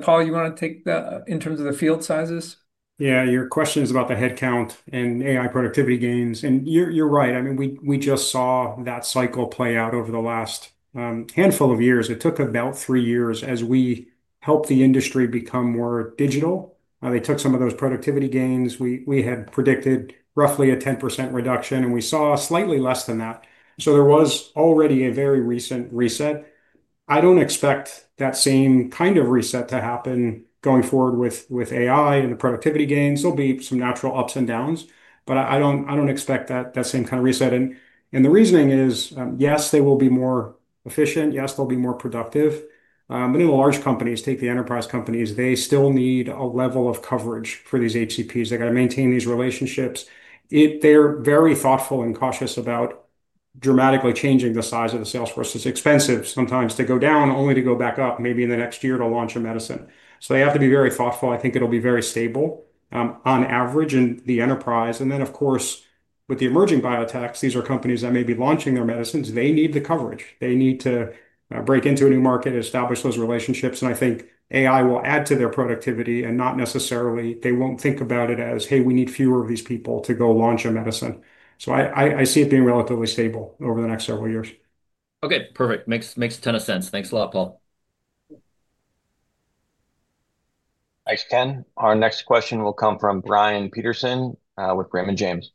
Paul, you want to take the, in terms of the field sizes? Yeah, your questions about the headcount and AI productivity gains. You're right. I mean, we just saw that cycle play out over the last handful of years. It took about three years as we helped the industry become more digital. They took some of those productivity gains. We had predicted roughly a 10% reduction, and we saw slightly less than that. There was already a very recent reset. I don't expect that same kind of reset to happen going forward with AI and the productivity gains. There'll be some natural ups and downs, but I don't expect that same kind of reset. The reasoning is, yes, they will be more efficient. Yes, they'll be more productive. In the large companies, take the enterprise companies, they still need a level of coverage for these HCPs. They've got to maintain these relationships. They're very thoughtful and cautious about dramatically changing the size of the sales force. It's expensive sometimes to go down only to go back up, maybe in the next year to launch a medicine. They have to be very thoughtful. I think it'll be very stable on average in the enterprise. Of course, with the emerging biotechs, these are companies that may be launching their medicines. They need the coverage. They need to break into a new market, establish those relationships. I think AI will add to their productivity and not necessarily, they won't think about it as, hey, we need fewer of these people to go launch a medicine. I see it being relatively stable over the next several years. Okay, perfect. Makes a ton of sense. Thanks a lot, Paul. Thanks, Ken. Our next question will come from Brian Peterson with Raymond James.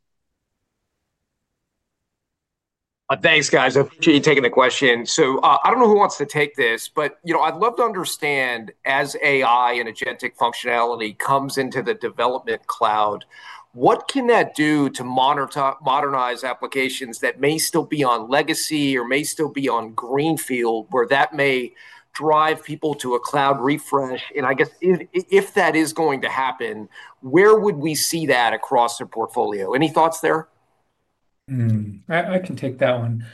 Thanks, guys. I appreciate you taking the question. I don't know who wants to take this, but I'd love to understand as AI and agentic functionality comes into the Development Cloud, what can that do to modernize applications that may still be on legacy or may still be on greenfield where that may drive people to a cloud refresh? I guess if that is going to happen, where would we see that across the portfolio? Any thoughts there? I can take that one.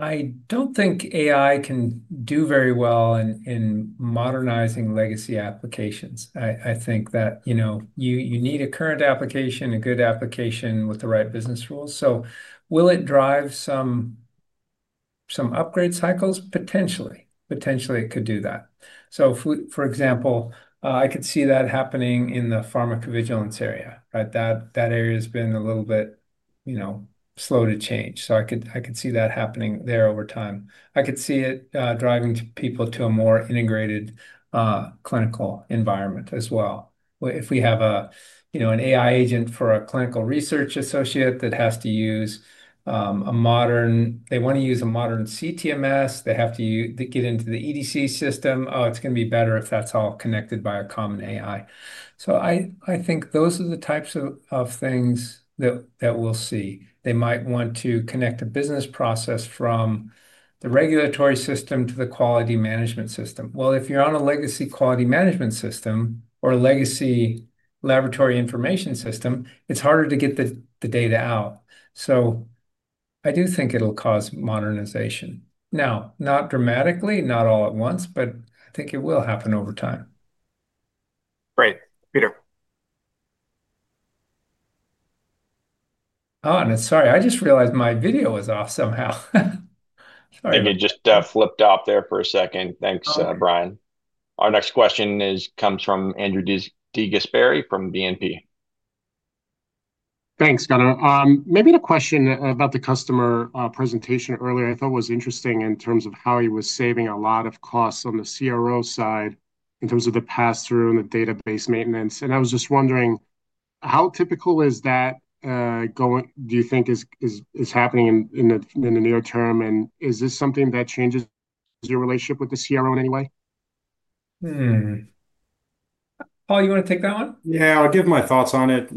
I don't think AI can do very well in modernizing legacy applications. I think that you need a current application, a good application with the right business rules. Will it drive some upgrade cycles? Potentially. Potentially, it could do that. For example, I could see that happening in the pharmacovigilance area. That area has been a little bit slow to change. I could see that happening there over time. I could see it driving people to a more integrated clinical environment as well. If we have an AI agent for a clinical research associate that has to use a modern, they want to use a modern CTMS, they have to get into the EDC system. It's going to be better if that's all connected by a common AI. I think those are the types of things that we'll see. They might want to connect a business process from the regulatory system to the quality management system. If you're on a legacy quality management system or a legacy laboratory information system, it's harder to get the data out. I do think it'll cause modernization. Not dramatically, not all at once, but I think it will happen over time. Great, Peter. Oh, sorry, I just realized my video was off somehow. It just flipped off there for a second. Thanks, Brian. Our next question comes from Andrew DeGasperi from BNP. Thanks, Gunnar. Maybe the question about the customer presentation earlier I thought was interesting in terms of how he was saving a lot of costs on the CRO side in terms of the pass-through and the database maintenance. I was just wondering, how typical is that going, do you think is happening in the near term? Is this something that changes your relationship with the CRO in any way? Paul, you want to take that one? Yeah, I'll give my thoughts on it.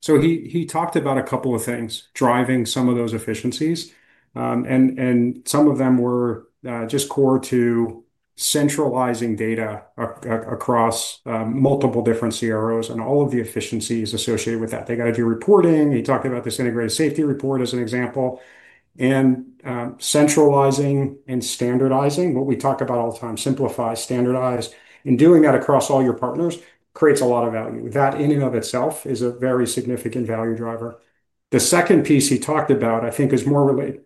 He talked about a couple of things driving some of those efficiencies. Some of them were just core to centralizing data across multiple different CROs and all of the efficiencies associated with that. They got to do reporting. He talked about this integrated safety report as an example. Centralizing and standardizing, what we talk about all the time, simplify, standardize, and doing that across all your partners creates a lot of value. That in and of itself is a very significant value driver. The second piece he talked about, I think, is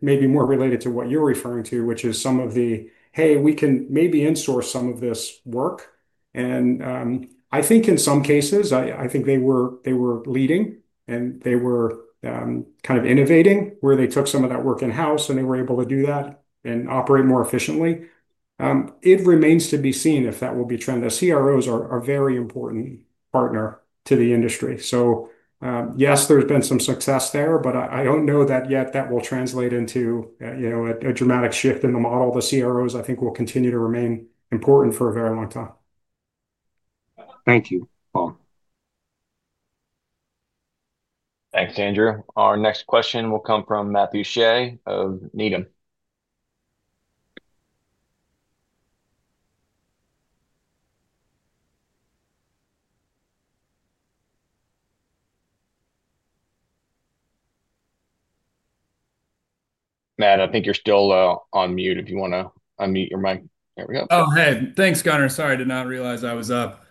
maybe more related to what you're referring to, which is some of the, hey, we can maybe insource some of this work. I think in some cases, they were leading and they were kind of innovating where they took some of that work in-house and they were able to do that and operate more efficiently. It remains to be seen if that will be a trend. The CROs are a very important partner to the industry. Yes, there's been some success there, but I don't know that yet that will translate into a dramatic shift in the model. The CROs, I think, will continue to remain important for a very long time. Thank you, Paul. Thanks, Andrew. Our next question will come from Matthew Shea of Needham. Matt, I think you're still on mute if you want to unmute your mic. There we go. Oh, hey, thanks, Gunnar. Sorry, I did not realize I was up.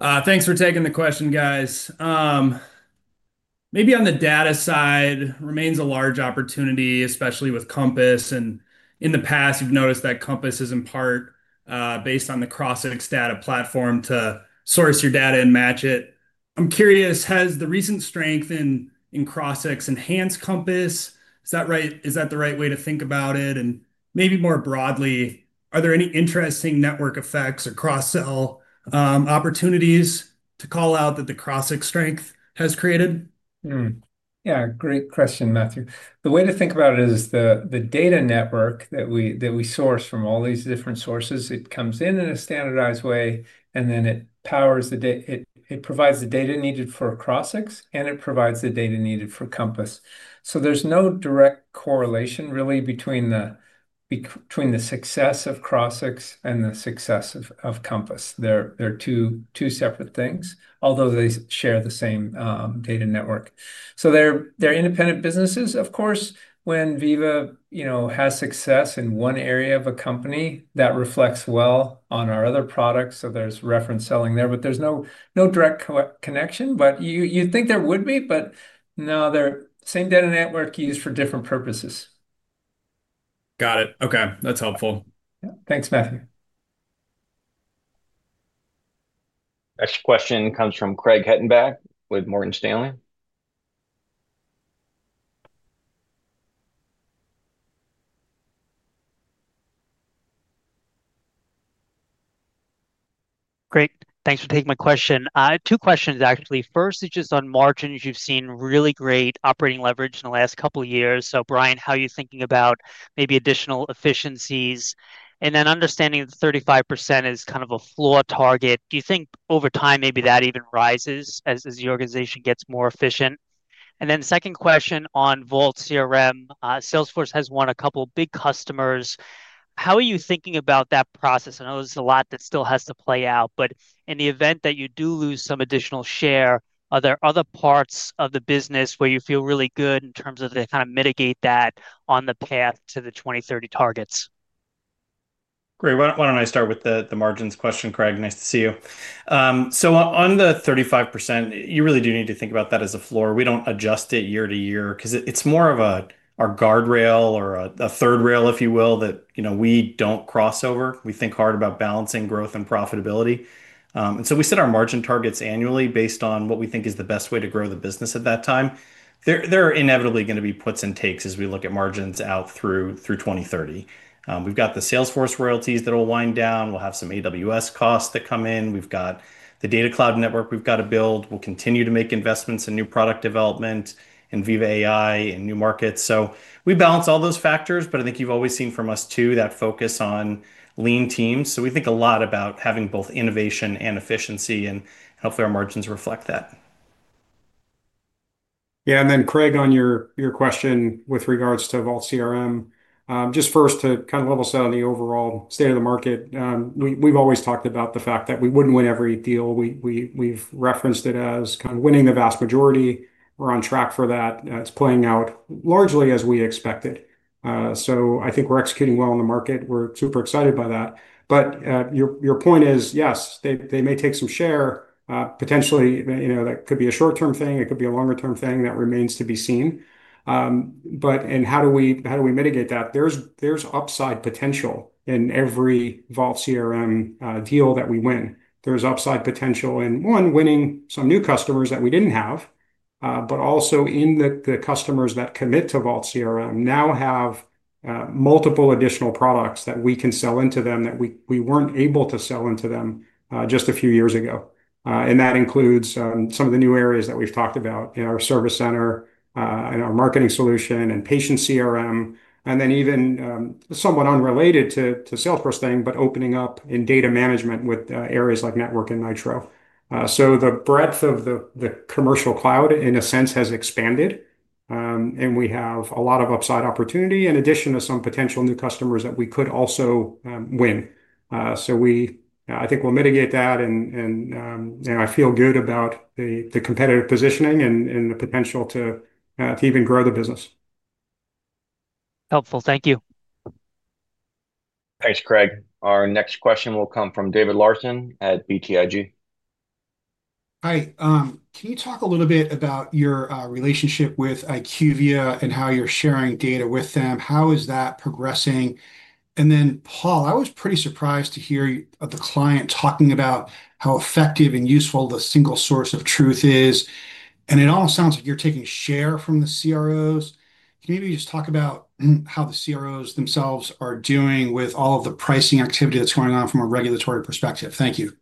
Thanks for taking the question, guys. Maybe on the data side, it remains a large opportunity, especially with Compass. In the past, you've noticed that Compass is in part based on the Crossix data platform to source your data and match it. I'm curious, has the recent strength in Crossix enhanced Compass? Is that right? Is that the right way to think about it? Maybe more broadly, are there any interesting network effects or cross-sell opportunities to call out that the Crossix strength has created? Yeah, great question, Matthew. The way to think about it is the data network that we source from all these different sources comes in in a standardized way, and then it provides the data needed for Crossix, and it provides the data needed for Compass. There's no direct correlation really between the success of Crossix and the success of Compass. They're two separate things, although they share the same data network. They're independent businesses, of course. When Veeva, you know, has success in one area of a company, that reflects well on our other products. There's reference selling there, but there's no direct connection. You'd think there would be, but no, they're the same data network used for different purposes. Got it. Okay, that's helpful. Yeah, thanks, Matthew. Next question comes from Craig Hettenbach with Morgan Stanley. Great, thanks for taking my question. Two questions, actually. First is just on margins. You've seen really great operating leverage in the last couple of years. Brian, how are you thinking about maybe additional efficiencies? Understanding that the 35% is kind of a flawed target, do you think over time maybe that even rises as the organization gets more efficient? Second question on Vault CRM. Salesforce has won a couple of big customers. How are you thinking about that process? I know there's a lot that still has to play out, but in the event that you do lose some additional share, are there other parts of the business where you feel really good in terms of the kind of mitigate that on the path to the 2030 targets? Great, why don't I start with the margins question, Craig? Nice to see you. On the 35%, you really do need to think about that as a floor. We don't adjust it year to year because it's more of our guardrail or a third rail, if you will, that we don't cross over. We think hard about balancing growth and profitability. We set our margin targets annually based on what we think is the best way to grow the business at that time. There are inevitably going to be puts and takes as we look at margins out through 2030. We've got the Salesforce royalties that will wind down. We'll have some AWS costs that come in. We've got the Data Cloud network we've got to build. We'll continue to make investments in new product development and Veeva AI in new markets. We balance all those factors, but I think you've always seen from us too that focus on lean teams. We think a lot about having both innovation and efficiency, and hopefully our margins reflect that. Yeah, and then Craig, on your question with regards to Vault CRM, just first to kind of level set on the overall state of the market. We've always talked about the fact that we wouldn't win every deal. We've referenced it as kind of winning the vast majority. We're on track for that. It's playing out largely as we expected. I think we're executing well in the market. We're super excited by that. Your point is, yes, they may take some share. Potentially, you know, that could be a short-term thing. It could be a longer-term thing. That remains to be seen. How do we mitigate that? There's upside potential in every Vault CRM deal that we win. There's upside potential in, one, winning some new customers that we didn't have, but also in that the customers that commit to Vault CRM now have multiple additional products that we can sell into them that we weren't able to sell into them just a few years ago. That includes some of the new areas that we've talked about in our Service Center, in our marketing solution, and patient CRM, and then even somewhat unrelated to the Salesforce thing, but opening up in data management with areas like Network and Nitro. The breadth of the Commercial Cloud, in a sense, has expanded. We have a lot of upside opportunity in addition to some potential new customers that we could also win. I think. I feel good about the competitive positioning and the potential to even grow the business. Helpful. Thank you. Thanks, Craig. Our next question will come from David Larson at BTIG. Hi. Can you talk a little bit about your relationship with IQVIA and how you're sharing data with them? How is that progressing? Paul, I was pretty surprised to hear the client talking about how effective and useful the single source of truth is. It almost sounds like you're taking share from the CROs. Can you maybe just talk about how the CROs themselves are doing with all of the pricing activity that's going on from a regulatory perspective? Thank you.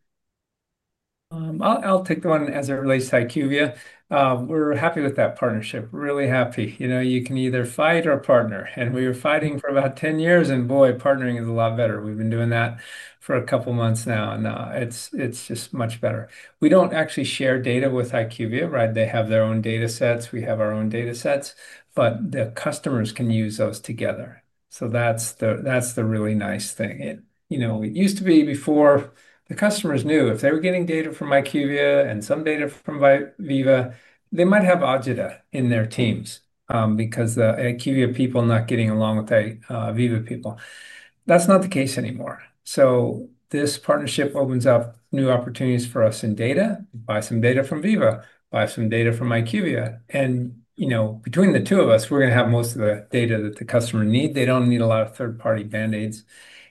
I'll take the one as it relates to IQVIA. We're happy with that partnership, really happy. You know, you can either fight or partner. We were fighting for about 10 years, and boy, partnering is a lot better. We've been doing that for a couple of months now, and it's just much better. We don't actually share data with IQVIA, right? They have their own data sets. We have our own data sets, but the customers can use those together. That's the really nice thing. It used to be before, the customers knew if they were getting data from IQVIA and some data from Veeva, they might have agita in their teams because the IQVIA people are not getting along with the Veeva people. That's not the case anymore. This partnership opens up new opportunities for us in data. Buy some data from Veeva, buy some data from IQVIA, and you know, between the two of us, we're going to have most of the data that the customer needs. They don't need a lot of third-party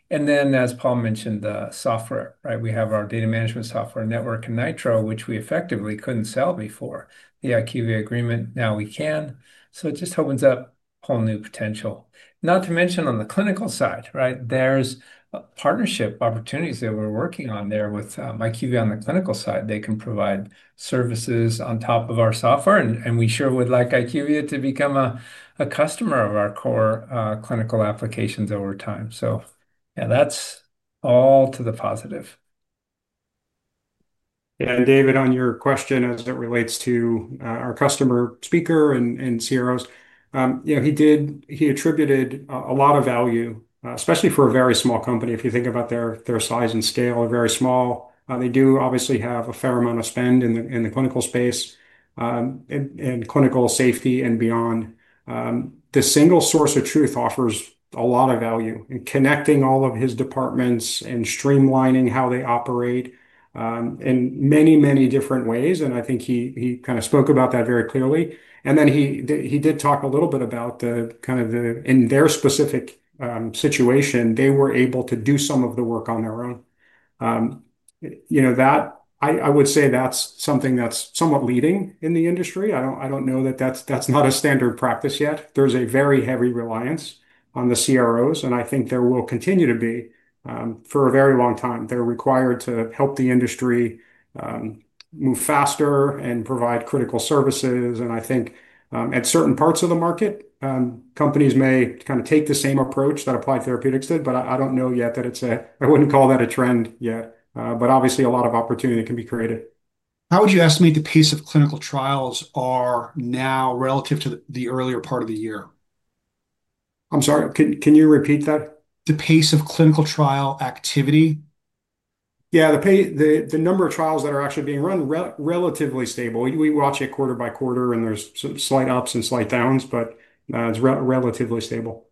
band-aids. As Paul mentioned, the software, right? We have our data management software, Network and Nitro, which we effectively couldn't sell before the IQVIA agreement. Now we can. It just opens up a whole new potential. Not to mention on the clinical side, right? There are partnership opportunities that we're working on there with IQVIA on the clinical side. They can provide services on top of our software, and we sure would like IQVIA to become a customer of our core clinical applications over time. That's all to the positive. Yeah. David, on your question as it relates to our customer speaker and CROs, he attributed a lot of value, especially for a very small company. If you think about their size and scale, they're very small. They do obviously have a fair amount of spend in the clinical space and clinical safety and beyond. The single source of truth offers a lot of value in connecting all of his departments and streamlining how they operate in many different ways. I think he kind of spoke about that very clearly. He did talk a little bit about in their specific situation, they were able to do some of the work on their own. I would say that's something that's somewhat leading in the industry. I don't know that that's a standard practice yet. There's a very heavy reliance on the CROs, and I think there will continue to be for a very long time. They're required to help the industry move faster and provide critical services. I think at certain parts of the market, companies may kind of take the same approach that Applied Therapeutics did, but I don't know yet that it's a trend. Obviously, a lot of opportunity can be created. How would you estimate the pace of clinical trials are now relative to the earlier part of the year? I'm sorry. Can you repeat that? The pace of clinical trial activity? Yeah. The number of trials that are actually being run is relatively stable. We watch it quarter by quarter, and there's some slight ups and slight downs, but it's relatively stable.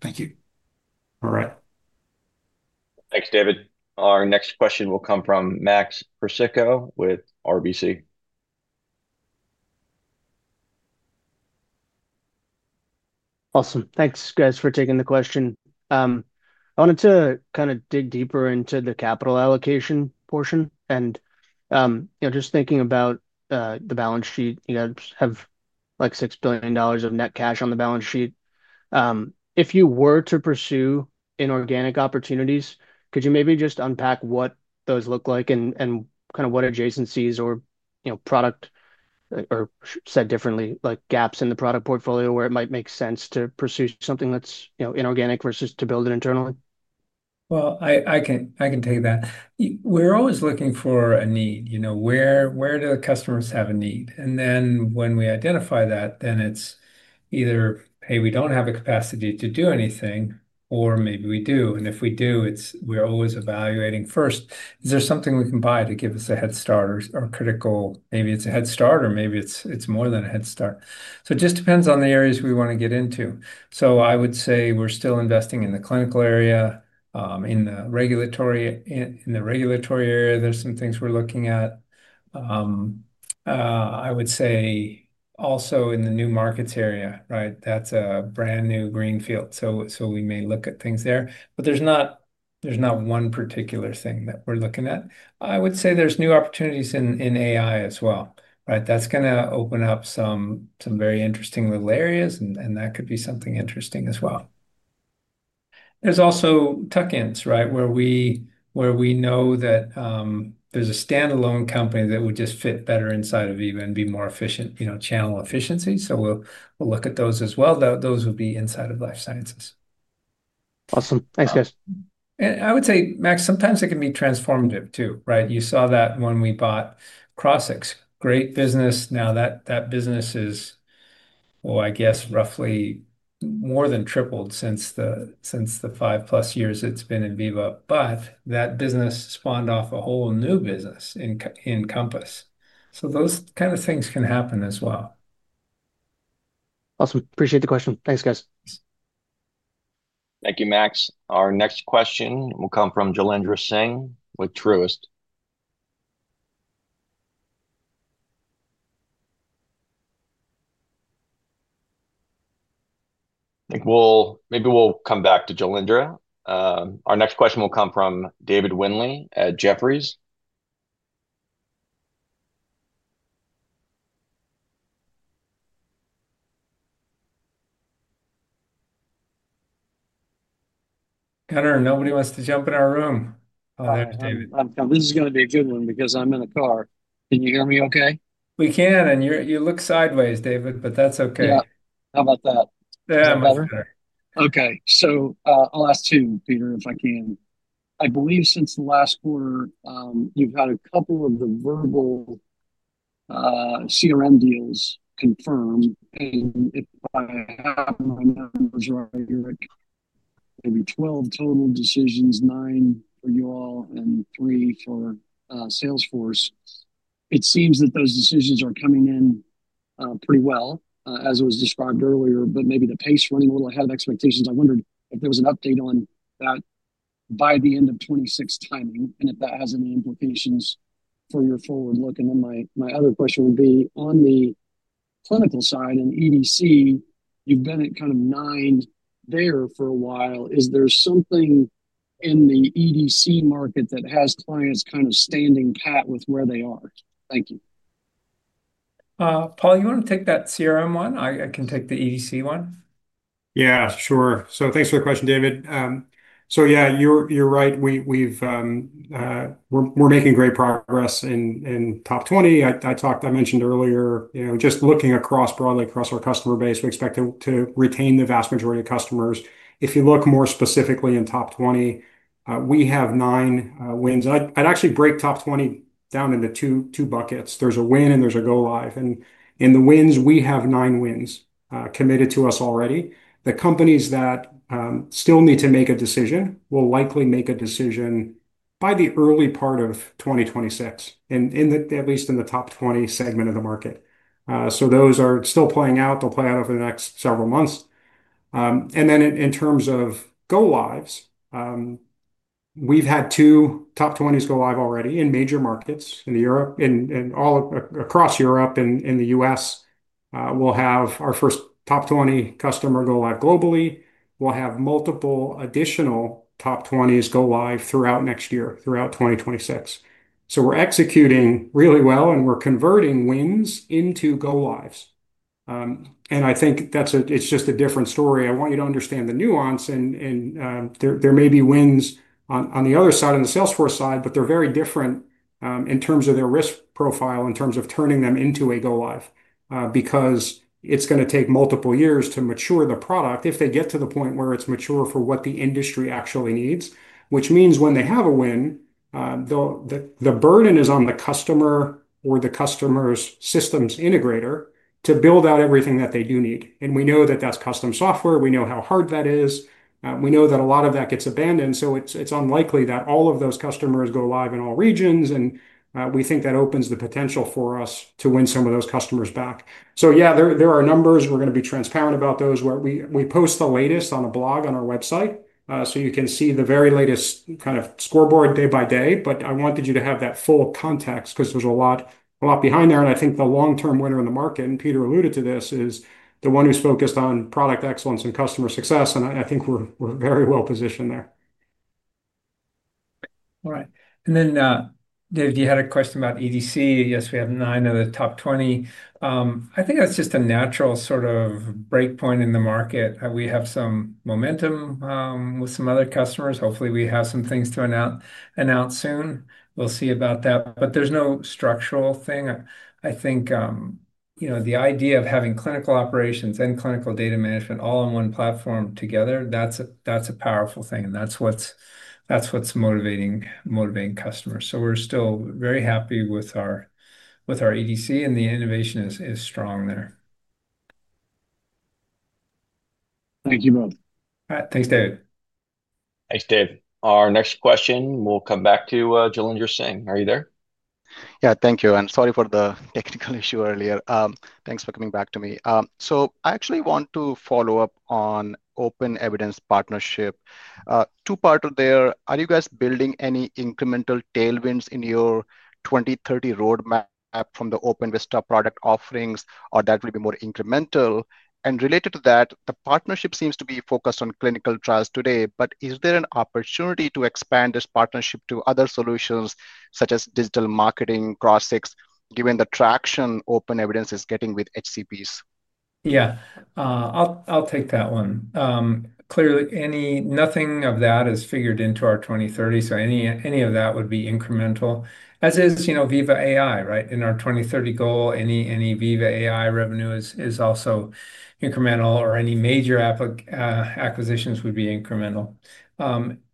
Thank you. All right. Thanks, David. Our next question will come from Max Persicco with RBC Capital Markets. Awesome. Thanks, guys, for taking the question. I wanted to kind of dig deeper into the capital allocation portion. Just thinking about the balance sheet, you guys have like $6 billion of net cash on the balance sheet. If you were to pursue inorganic opportunities, could you maybe just unpack what those look like and kind of what adjacencies or, you know, product or said differently, like gaps in the product portfolio where it might make sense to pursue something that's, you know, inorganic versus to build it internally? I can take that. We're always looking for a need. You know, where do the customers have a need? When we identify that, then it's either, "Hey, we don't have a capacity to do anything," or maybe we do. If we do, we're always evaluating first, is there something we can buy to give us a head start or critical? Maybe it's a head start, or maybe it's more than a head start. It just depends on the areas we want to get into. I would say we're still investing in the clinical area. In the regulatory area, there's some things we're looking at. I would say also in the new markets area, right? That's a brand new greenfield. We may look at things there. There's not one particular thing that we're looking at. I would say there's new opportunities in AI as well, right? That's going to open up some very interesting little areas, and that could be something interesting as well. There's also tuck-ins, right, where we know that there's a standalone company that would just fit better inside of Veeva and be more efficient, you know, channel efficiency. We'll look at those as well. Those would be inside of life sciences. Awesome. Thanks, guys. I would say, Max, sometimes it can be transformative too, right? You saw that when we bought Crossix. Great business. That business is, I guess, roughly more than tripled since the five-plus years it's been in Veeva. That business spawned off a whole new business in Compass. Those kind of things can happen as well. Awesome. Appreciate the question. Thanks, guys. Thank you, Max. Our next question will come from Jailendra Singh with Truist. I think we'll come back to Jalendra. Our next question will come from David Windley at Jefferies. Gunnar, nobody wants to jump in our room. I'm sorry. This is going to be a good one because I'm in a car. Can you hear me okay? We can. You look sideways, David, but that's okay. Yeah, how about that? Yeah, much better. Okay. I'll ask you, Peter, if I can. I believe since the last quarter, you've had a couple of the verbal CRM deals confirmed. If I have my numbers right, maybe 12 total decisions, nine for you all and three for Salesforce. It seems that those decisions are coming in pretty well, as it was described earlier, but maybe the pace is running a little ahead of expectations. I wondered if there was an update on that by the end of 2026 timing and if that has any implications for your forward look. My other question would be, on the clinical side and EDC, you've been at kind of nine there for a while. Is there something in the EDC market that has clients kind of standing pat with where they are? Thank you. Paul, you want to take that CRM one? I can take the EDC one. Yeah, sure. Thanks for the question, David. You're right. We're making great progress in top 20. I mentioned earlier, just looking broadly across our customer base, we expect to retain the vast majority of customers. If you look more specifically in top 20, we have nine wins. I'd actually break top 20 down into two buckets. There's a win and there's a go live. In the wins, we have nine wins committed to us already. The companies that still need to make a decision will likely make a decision by the early part of 2026, at least in the top 20 segment of the market. Those are still playing out. They'll play out over the next several months. In terms of go lives, we've had two top 20s go live already in major markets in Europe and all across Europe and in the U.S. We'll have our first top 20 customer go live globally. We'll have multiple additional top 20s go live throughout next year, throughout 2026. We're executing really well, and we're converting wins into go lives. I think that's just a different story. I want you to understand the nuance. There may be wins on the other side, on the Salesforce side, but they're very different in terms of their risk profile, in terms of turning them into a go live because it's going to take multiple years to mature the product if they get to the point where it's mature for what the industry actually needs, which means when they have a win, the burden is on the customer or the customer's systems integrator to build out everything that they do need. We know that that's custom software. We know how hard that is. We know that a lot of that gets abandoned. It's unlikely that all of those customers go live in all regions. We think that opens the potential for us to win some of those customers back. There are numbers. We're going to be transparent about those. We post the latest on a blog on our website. You can see the very latest kind of scoreboard day by day. I wanted you to have that full context because there's a lot behind there. I think the long-term winner in the market, and Peter alluded to this, is the one who's focused on product excellence and customer success. I think we're very well-positioned there. All right. David, you had a question about EDC. We have nine of the top 20. I think that's just a natural sort of break point in the market. We have some momentum with some other customers. Hopefully, we have some things to announce soon. We'll see about that. There's no structural thing. I think the idea of having clinical operations and clinical data management all in one platform together, that's a powerful thing. That's what's motivating customers. We're still very happy with our EDC, and the innovation is strong there. Thank you both. All right. Thanks, David. Thanks, David. Our next question will come back to Jailendra Singh. Are you there? Thank you. Sorry for the technical issue earlier. Thanks for coming back to me. I actually want to follow up on Open Evidence partnership. Two parts there. Are you guys building any incremental tailwinds in your 2030 roadmap from the Open Evidence product offerings, or will that be more incremental? Related to that, the partnership seems to be focused on clinical trials today. Is there an opportunity to expand this partnership to other solutions, such as digital marketing, Crossix, given the traction Open Evidence is getting with HCPs? Yeah. I'll take that one. Clearly, nothing of that is figured into our 2030. Any of that would be incremental, as is, you know, Veeva AI, right? In our 2030 goal, any Veeva AI revenue is also incremental, or any major acquisitions would be incremental.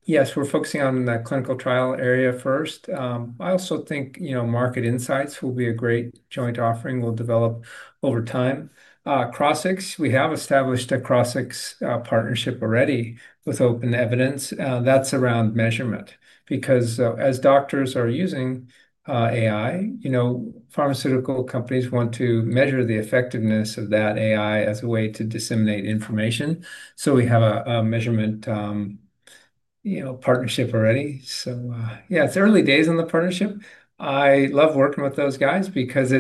Yes, we're focusing on the clinical trial area first. I also think, you know, market insights will be a great joint offering we'll develop over time. Crossix, we have established a Crossix partnership already with Open Evidence, that's around measurement. Because as doctors are using AI, you know, pharmaceutical companies want to measure the effectiveness of that AI as a way to disseminate information. We have a measurement partnership already. Yeah, it's early days in the partnership. I love working with those guys because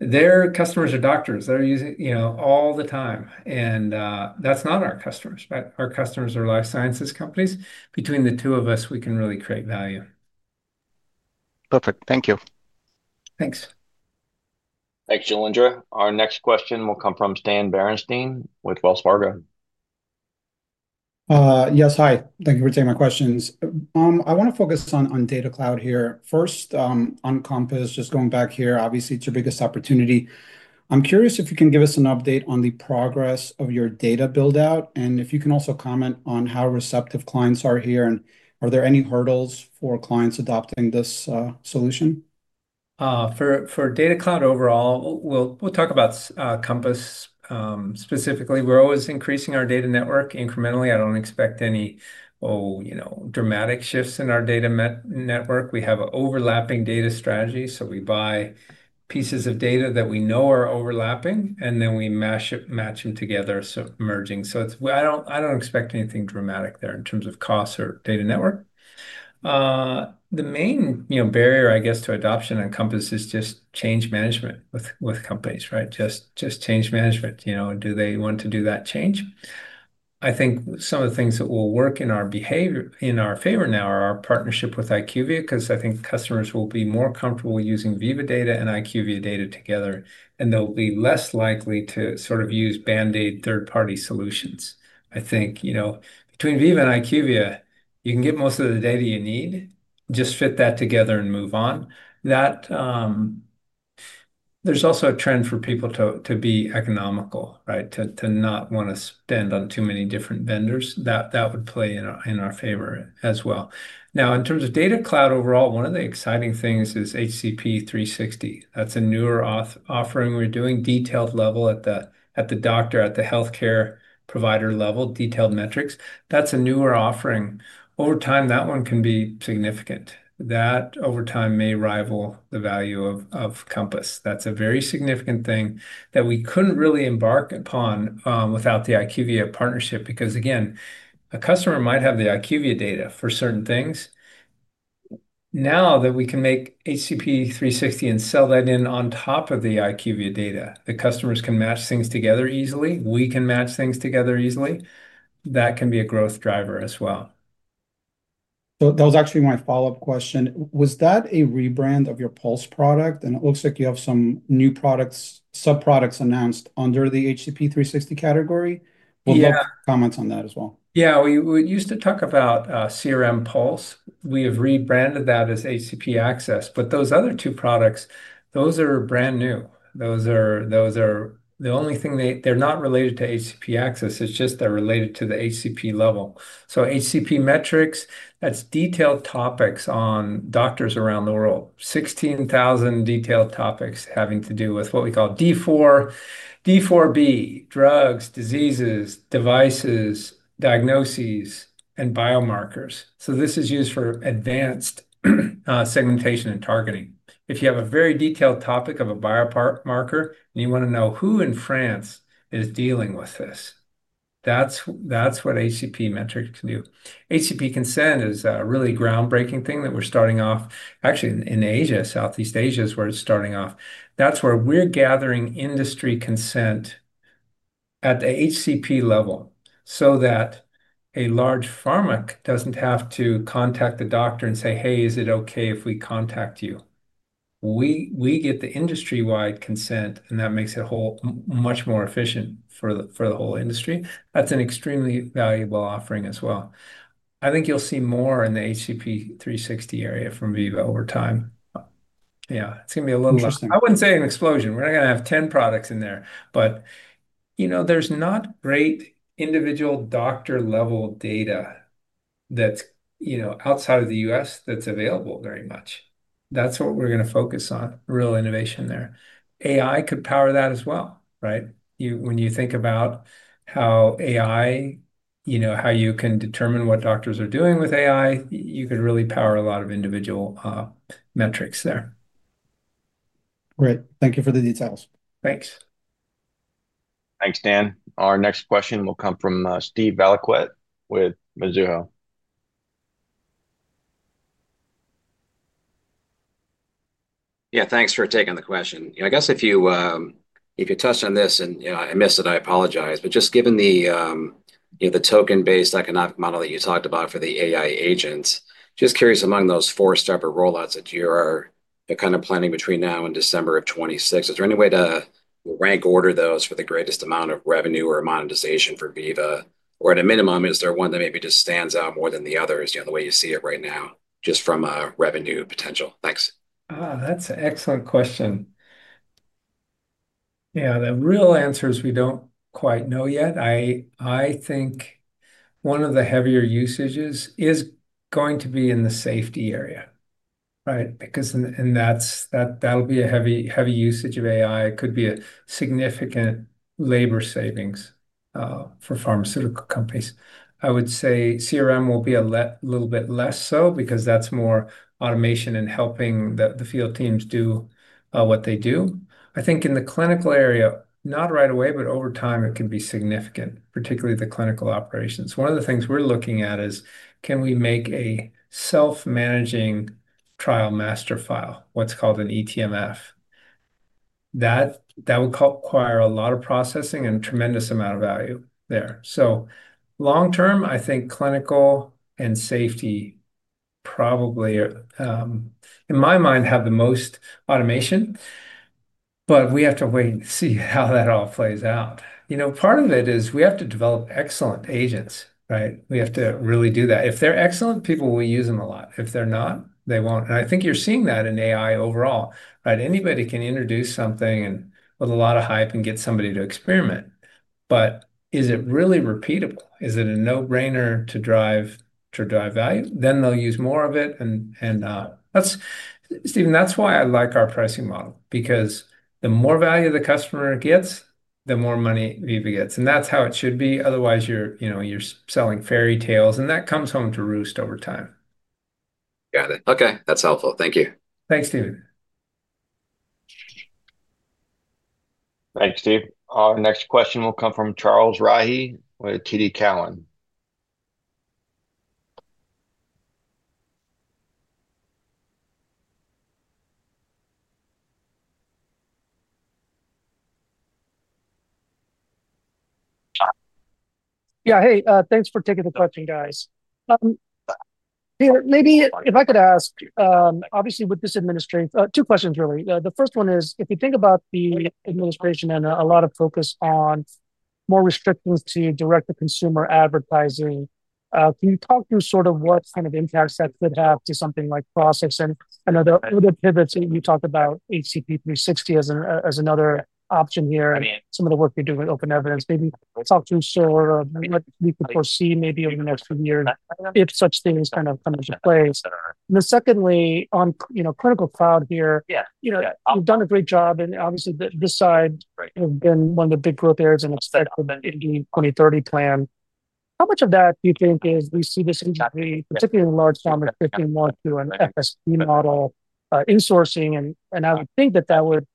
their customers are doctors. They're using, you know, all the time. That's not our customers, but our customers are life sciences companies. Between the two of us, we can really create value. Perfect. Thank you. Thanks. Thanks, Jailendra. Our next question will come from Stan Berenshteyn with Wells Fargo. Yes. Hi. Thank you for taking my questions. I want to focus on Data Cloud here. First, on Compass, just going back here, obviously, it's your biggest opportunity. I'm curious if you can give us an update on the progress of your data buildout, and if you can also comment on how receptive clients are here and are there any hurdles for clients adopting this solution? For Data Cloud overall, we'll talk about Compass specifically. We're always increasing our data network incrementally. I don't expect any, oh, you know, dramatic shifts in our data network. We have an overlapping data strategy. We buy pieces of data that we know are overlapping, and then we match them together, so merging. I don't expect anything dramatic there in terms of costs or data network. The main barrier, I guess, to adoption on Compass is just change management with companies, right? Just change management. Do they want to do that change? I think some of the things that will work in our favor now are our partnership with IQVIA because I think customers will be more comfortable using Veeva data and IQVIA data together, and they'll be less likely to sort of use band-aid third-party solutions. I think between Veeva and IQVIA, you can get most of the data you need, just fit that together and move on. There's also a trend for people to be economical, to not want to spend on too many different vendors. That would play in our favor as well. In terms of Data Cloud overall, one of the exciting things is HCP 360. That's a newer offering we're doing, detailed level at the doctor, at the healthcare provider level, detailed metrics. That's a newer offering. Over time, that one can be significant. That over time may rival the value of Compass. That's a very significant thing that we couldn't really embark upon without the IQVIA partnership because, again, a customer might have the IQVIA data for certain things. Now that we can make HCP 360 and sell that in on top of the IQVIA data, the customers can match things together easily. We can match things together easily. That can be a growth driver as well. That was actually my follow-up question. Was that a rebrand of your Pulse product? It looks like you have some new products, subproducts announced under the HCP 360 category. Would love to comment on that as well. Yeah. We used to talk about CRM Pulse. We have rebranded that as HCP Access. Those other two products, those are brand new. The only thing, they're not related to HCP Access. They're related to the HCP level. HCP metrics, that's detailed topics on doctors around the world, 16,000 detailed topics having to do with what we call D4B, drugs, diseases, devices, diagnoses, and biomarkers. This is used for advanced segmentation and targeting. If you have a very detailed topic of a biomarker and you want to know who in France is dealing with this, that's what HCP metrics can do. HCP consent is a really groundbreaking thing that we're starting off. Actually, in Asia, Southeast Asia is where it's starting off. That's where we're gathering industry consent at the HCP level so that a large pharmacy doesn't have to contact the doctor and say, "Hey, is it okay if we contact you?" We get the industry-wide consent, and that makes it much more efficient for the whole industry. That's an extremely valuable offering as well. I think you'll see more in the HCP 360 area from Veeva over time. Yeah, it's going to be a little less. I wouldn't say an explosion. We're not going to have 10 products in there. There's not great individual doctor-level data that's, you know, outside of the U.S. that's available very much. That's what we're going to focus on, real innovation there. AI could power that as well, right? When you think about how AI, you know, how you can determine what doctors are doing with AI, you could really power a lot of individual metrics there. Great. Thank you for the details. Thanks. Thanks, Stan. Our next question will come from Steven Valiquette with Mizuho Securities. Yeah, thanks for taking the question. I guess if you touched on this and I missed it, I apologize. Just given the token-based economic model that you talked about for the AI agents, just curious among those four separate rollouts that you are kind of planning between now and December of 2026, is there any way to rank order those for the greatest amount of revenue or monetization for Veeva? Or at a minimum, is there one that maybe just stands out more than the others, the way you see it right now, just from a revenue potential? Thanks. That's an excellent question. The real answer is we don't quite know yet. I think one of the heavier usages is going to be in the safety area, right? Because that'll be a heavy, heavy usage of AI. It could be a significant labor savings for pharmaceutical companies. I would say CRM will be a little bit less so because that's more automation and helping the field teams do what they do. I think in the clinical area, not right away, but over time, it can be significant, particularly the clinical operations. One of the things we're looking at is can we make a self-managing trial master file, what's called an eTMF. That would require a lot of processing and a tremendous amount of value there. Long term, I think clinical and safety probably, in my mind, have the most automation. We have to wait and see how that all plays out. Part of it is we have to develop excellent agents, right? We have to really do that. If they're excellent, people will use them a lot. If they're not, they won't. I think you're seeing that in AI overall, right? Anybody can introduce something with a lot of hype and get somebody to experiment. Is it really repeatable? Is it a no-brainer to drive value? They'll use more of it. That's, Steven, that's why I like our pricing model because the more value the customer gets, the more money Veeva gets. That's how it should be. Otherwise, you're, you know, you're selling fairy tales. That comes home to roost over time. Got it. Okay. That's helpful. Thank you. Thanks, Steven. Thanks, Steve. Our next question will come from Charles Rhyee with TD Cowen. Yeah. Hey, thanks for taking the question, guys. Peter, maybe if I could ask, obviously, with this administration, two questions, really. The first one is, if you think about the administration and a lot of focus on more restrictions to direct-to-consumer advertising, can you talk through sort of what kind of impacts that could have to something like process? I know the other pivots that you talked about, HCP 360 as another option here and some of the work you're doing with Open Evidence, maybe talk through sort of what we could foresee maybe over the next few years if such things kind of come into play. Secondly, on clinical cloud here, you've done a great job. Obviously, this side has been one of the big growth areas and expected in the 2030 plan. How much of that do you think is we see this industry, particularly in large pharmacies, want to do an FSD model in-sourcing? I would think that that would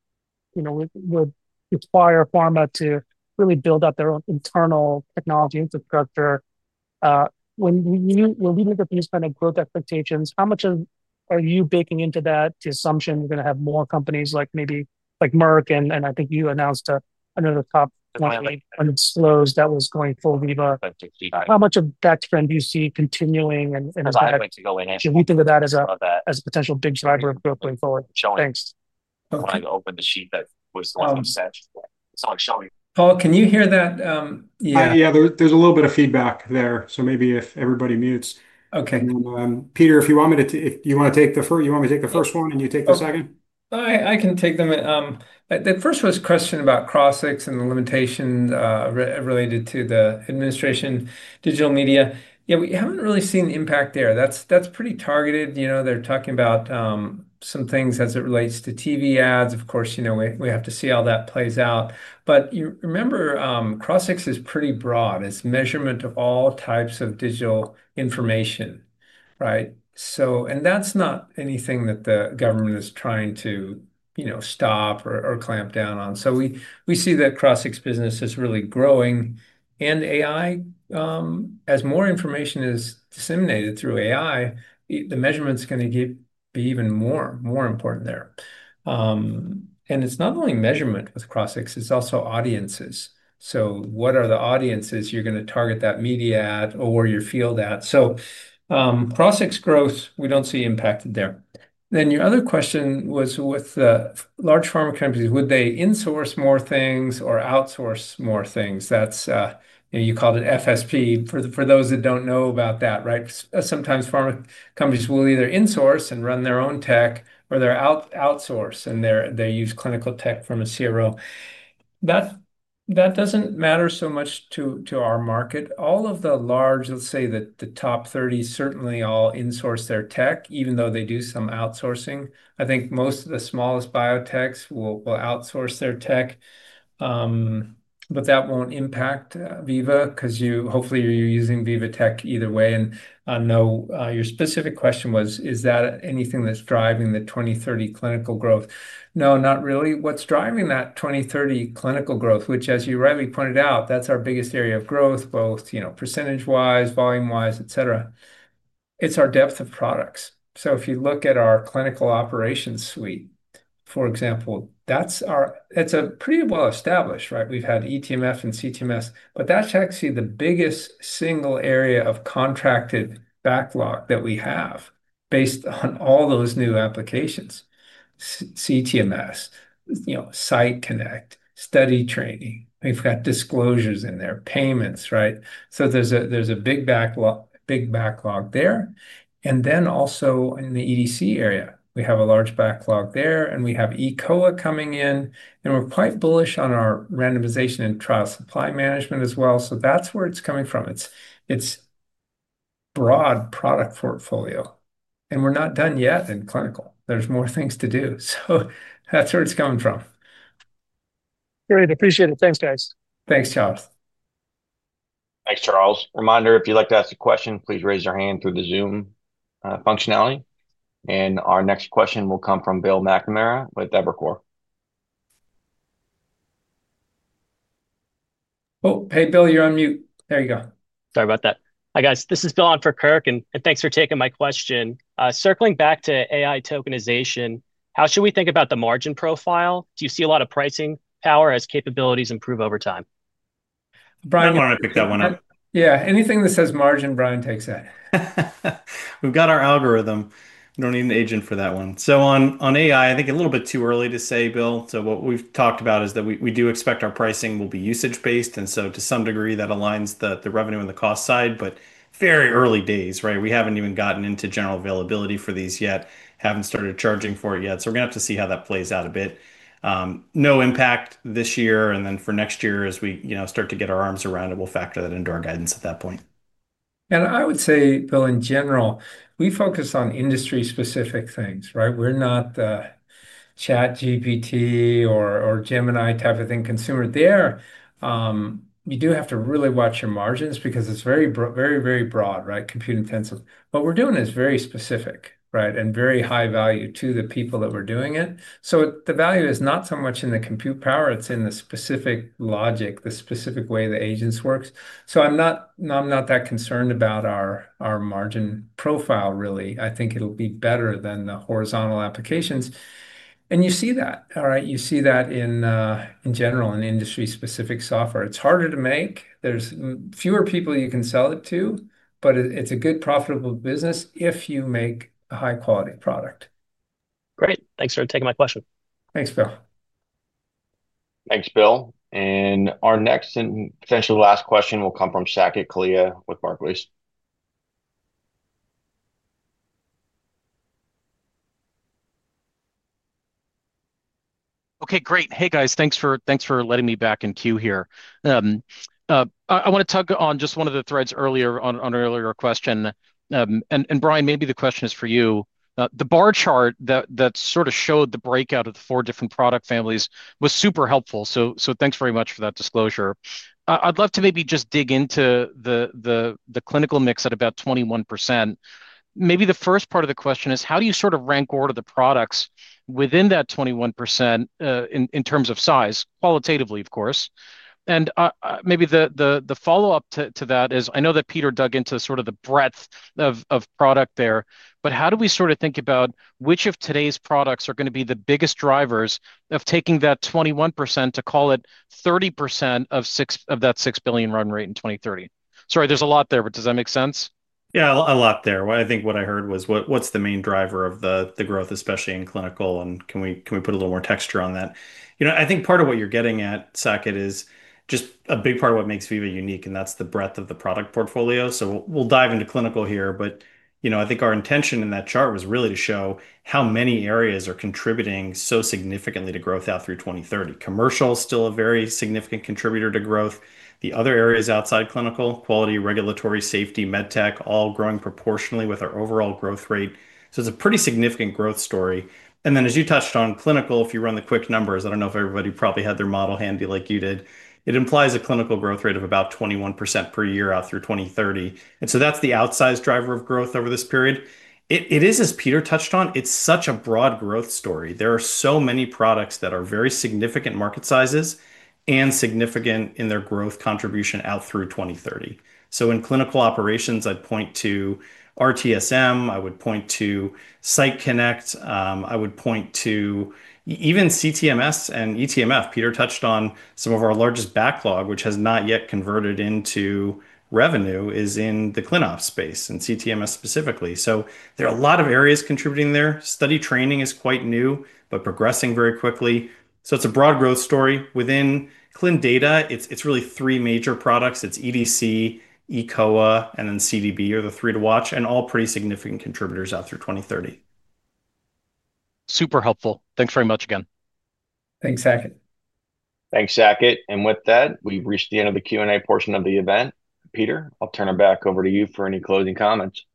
require pharma to really build up their own internal technology infrastructure. When we look at these kind of growth expectations, how much of are you baking into that, the assumption you're going to have more companies like maybe like Merck? I think you announced another top 2800 slows that was going for Veeva. How much of that trend do you see continuing? Should we think of that as a potential big driver of growth going forward? Thanks. I wanted to open the sheet that was the one you sent. It's not showing. Paul, can you hear that? Yeah, there's a little bit of feedback there. Maybe if everybody mutes. Okay. Peter, if you want me to take the first one and you take the second? I can take them. The first was a question about Crossix and the limitations related to the administration of digital media. Yeah, we haven't really seen the impact there. That's pretty targeted. You know, they're talking about some things as it relates to TV ads. Of course, you know, we have to see how that plays out. You remember, Crossix is pretty broad. It's measurement of all types of digital information, right? That's not anything that the government is trying to, you know, stop or clamp down on. We see that Crossix business is really growing. As more information is disseminated through AI, the measurement is going to be even more important there. It's not only measurement with Crossix. It's also audiences. What are the audiences you're going to target that media at or your field at? Crossix growth, we don't see impacted there. Your other question was with the large pharma companies, would they insource more things or outsource more things? You called it FSP. For those that don't know about that, sometimes pharma companies will either insource and run their own tech, or they're outsourced and they use clinical tech from a CRO. That doesn't matter so much to our market. All of the large, let's say that the top 30 certainly all insource their tech, even though they do some outsourcing. I think most of the smallest biotechs will outsource their tech. That won't impact Veeva because you hopefully are using Veeva tech either way. I know your specific question was, is that anything that's driving the 2030 clinical growth? No, not really. What's driving that 2030 clinical growth, which, as you rightly pointed out, that's our biggest area of growth, both percentage-wise, volume-wise, etc. It's our depth of products. If you look at our clinical operations suite, for example, that's pretty well-established, right? We've had eTMF and CTMS. That's actually the biggest single area of contracted backlog that we have based on all those new applications. CTMS, Site Connect, Study Training. We've got disclosures in there, payments, right? There's a big backlog there. Also in the EDC area, we have a large backlog there, and we have eCOA coming in. We're quite bullish on our randomization and trial supply management as well. That's where it's coming from. It's broad product portfolio. We're not done yet in clinical. There's more things to do. That's where it's coming from. Great. Appreciate it. Thanks, guys. Thanks, Charles. Thanks, Charles. Reminder, if you'd like to ask a question, please raise your hand through the Zoom functionality. Our next question will come from Bill Bush with Evercore ISI. Oh, hey Bill, you're on mute. There you go. Sorry about that. Hi, guys. This is Bill on for Kirk, and thanks for taking my question. Circling back to AI tokenization, how should we think about the margin profile? Do you see a lot of pricing power as capabilities improve over time? Brian wanted to pick that one up. Yeah, anything that says margin, Brian takes that. We've got our algorithm. We don't need an agent for that one. On AI, I think a little bit too early to say, Bill. What we've talked about is that we do expect our pricing will be usage-based. To some degree, that aligns the revenue and the cost side, but very early days, right? We haven't even gotten into general availability for these yet. Haven't started charging for it yet. We're going to have to see how that plays out a bit. No impact this year. For next year, as we start to get our arms around it, we'll factor that into our guidance at that point. I would say, Bill, in general, we focus on industry-specific things, right? We're not the ChatGPT or Gemini type of thing consumer there. You do have to really watch your margins because it's very, very, very broad, right? Compute intensive. What we're doing is very specific, right? And very high value to the people that we're doing it. The value is not so much in the compute power. It's in the specific logic, the specific way the agents work. I'm not that concerned about our margin profile, really. I think it'll be better than the horizontal applications. You see that, right? You see that in general in industry-specific software. It's harder to make. There's fewer people you can sell it to, but it's a good profitable business if you make a high-quality product. Great. Thanks for taking my question. Thanks, Bill. Thanks, Bill. Our next and potentially last question will come from Saket Kalia with Barclays. Okay, great. Hey, guys, thanks for letting me back in queue here. I want to tug on just one of the threads earlier on an earlier question. Brian, maybe the question is for you. The bar chart that sort of showed the breakout of the four different product families was super helpful. Thanks very much for that disclosure. I'd love to maybe just dig into the clinical mix at about 21%. The first part of the question is, how do you sort of rank order the products within that 21% in terms of size, qualitatively, of course? Maybe the follow-up to that is, I know that Peter dug into sort of the breadth of product there, but how do we sort of think about which of today's products are going to be the biggest drivers of taking that 21% to, call it, 30% of that $6 billion run rate in 2030? Sorry, there's a lot there, but does that make sense? Yeah, a lot there. I think what I heard was, what's the main driver of the growth, especially in clinical? Can we put a little more texture on that? I think part of what you're getting at, Shaquit, is just a big part of what makes Veeva unique, and that's the breadth of the product portfolio. We'll dive into clinical here, but I think our intention in that chart was really to show how many areas are contributing so significantly to growth out through 2030. Commercial is still a very significant contributor to growth. The other areas outside clinical, quality, regulatory, safety, med tech, all growing proportionately with our overall growth rate. It's a pretty significant growth story. As you touched on clinical, if you run the quick numbers, I don't know if everybody probably had their model handy like you did. It implies a clinical growth rate of about 21% per year out through 2030. That's the outsized driver of growth over this period. It is, as Peter touched on, such a broad growth story. There are so many products that are very significant market sizes and significant in their growth contribution out through 2030. In clinical operations, I'd point to RTSM. I would point to Site Connect. I would point to even CTMS and eTMF. Peter touched on some of our largest backlog, which has not yet converted into revenue, is in the clinical operations space and CTMS specifically. There are a lot of areas contributing there. Study training is quite new, but progressing very quickly. It's a broad growth story within clinical data. It's really three major products. It's EDC, eCOA, and then CDB are the three to watch and all pretty significant contributors out through 2030. Super helpful. Thanks very much again. Thanks, Saket. Thanks, Shaquit. With that, we've reached the end of the Q&A portion of the event. Peter, I'll turn it back over to you for any closing comments.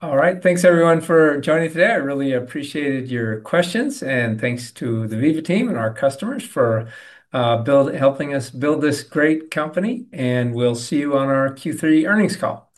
All right. Thanks, everyone, for joining today. I really appreciated your questions. Thanks to the Veeva team and our customers for helping us build this great company. We'll see you on our Q3 earnings call.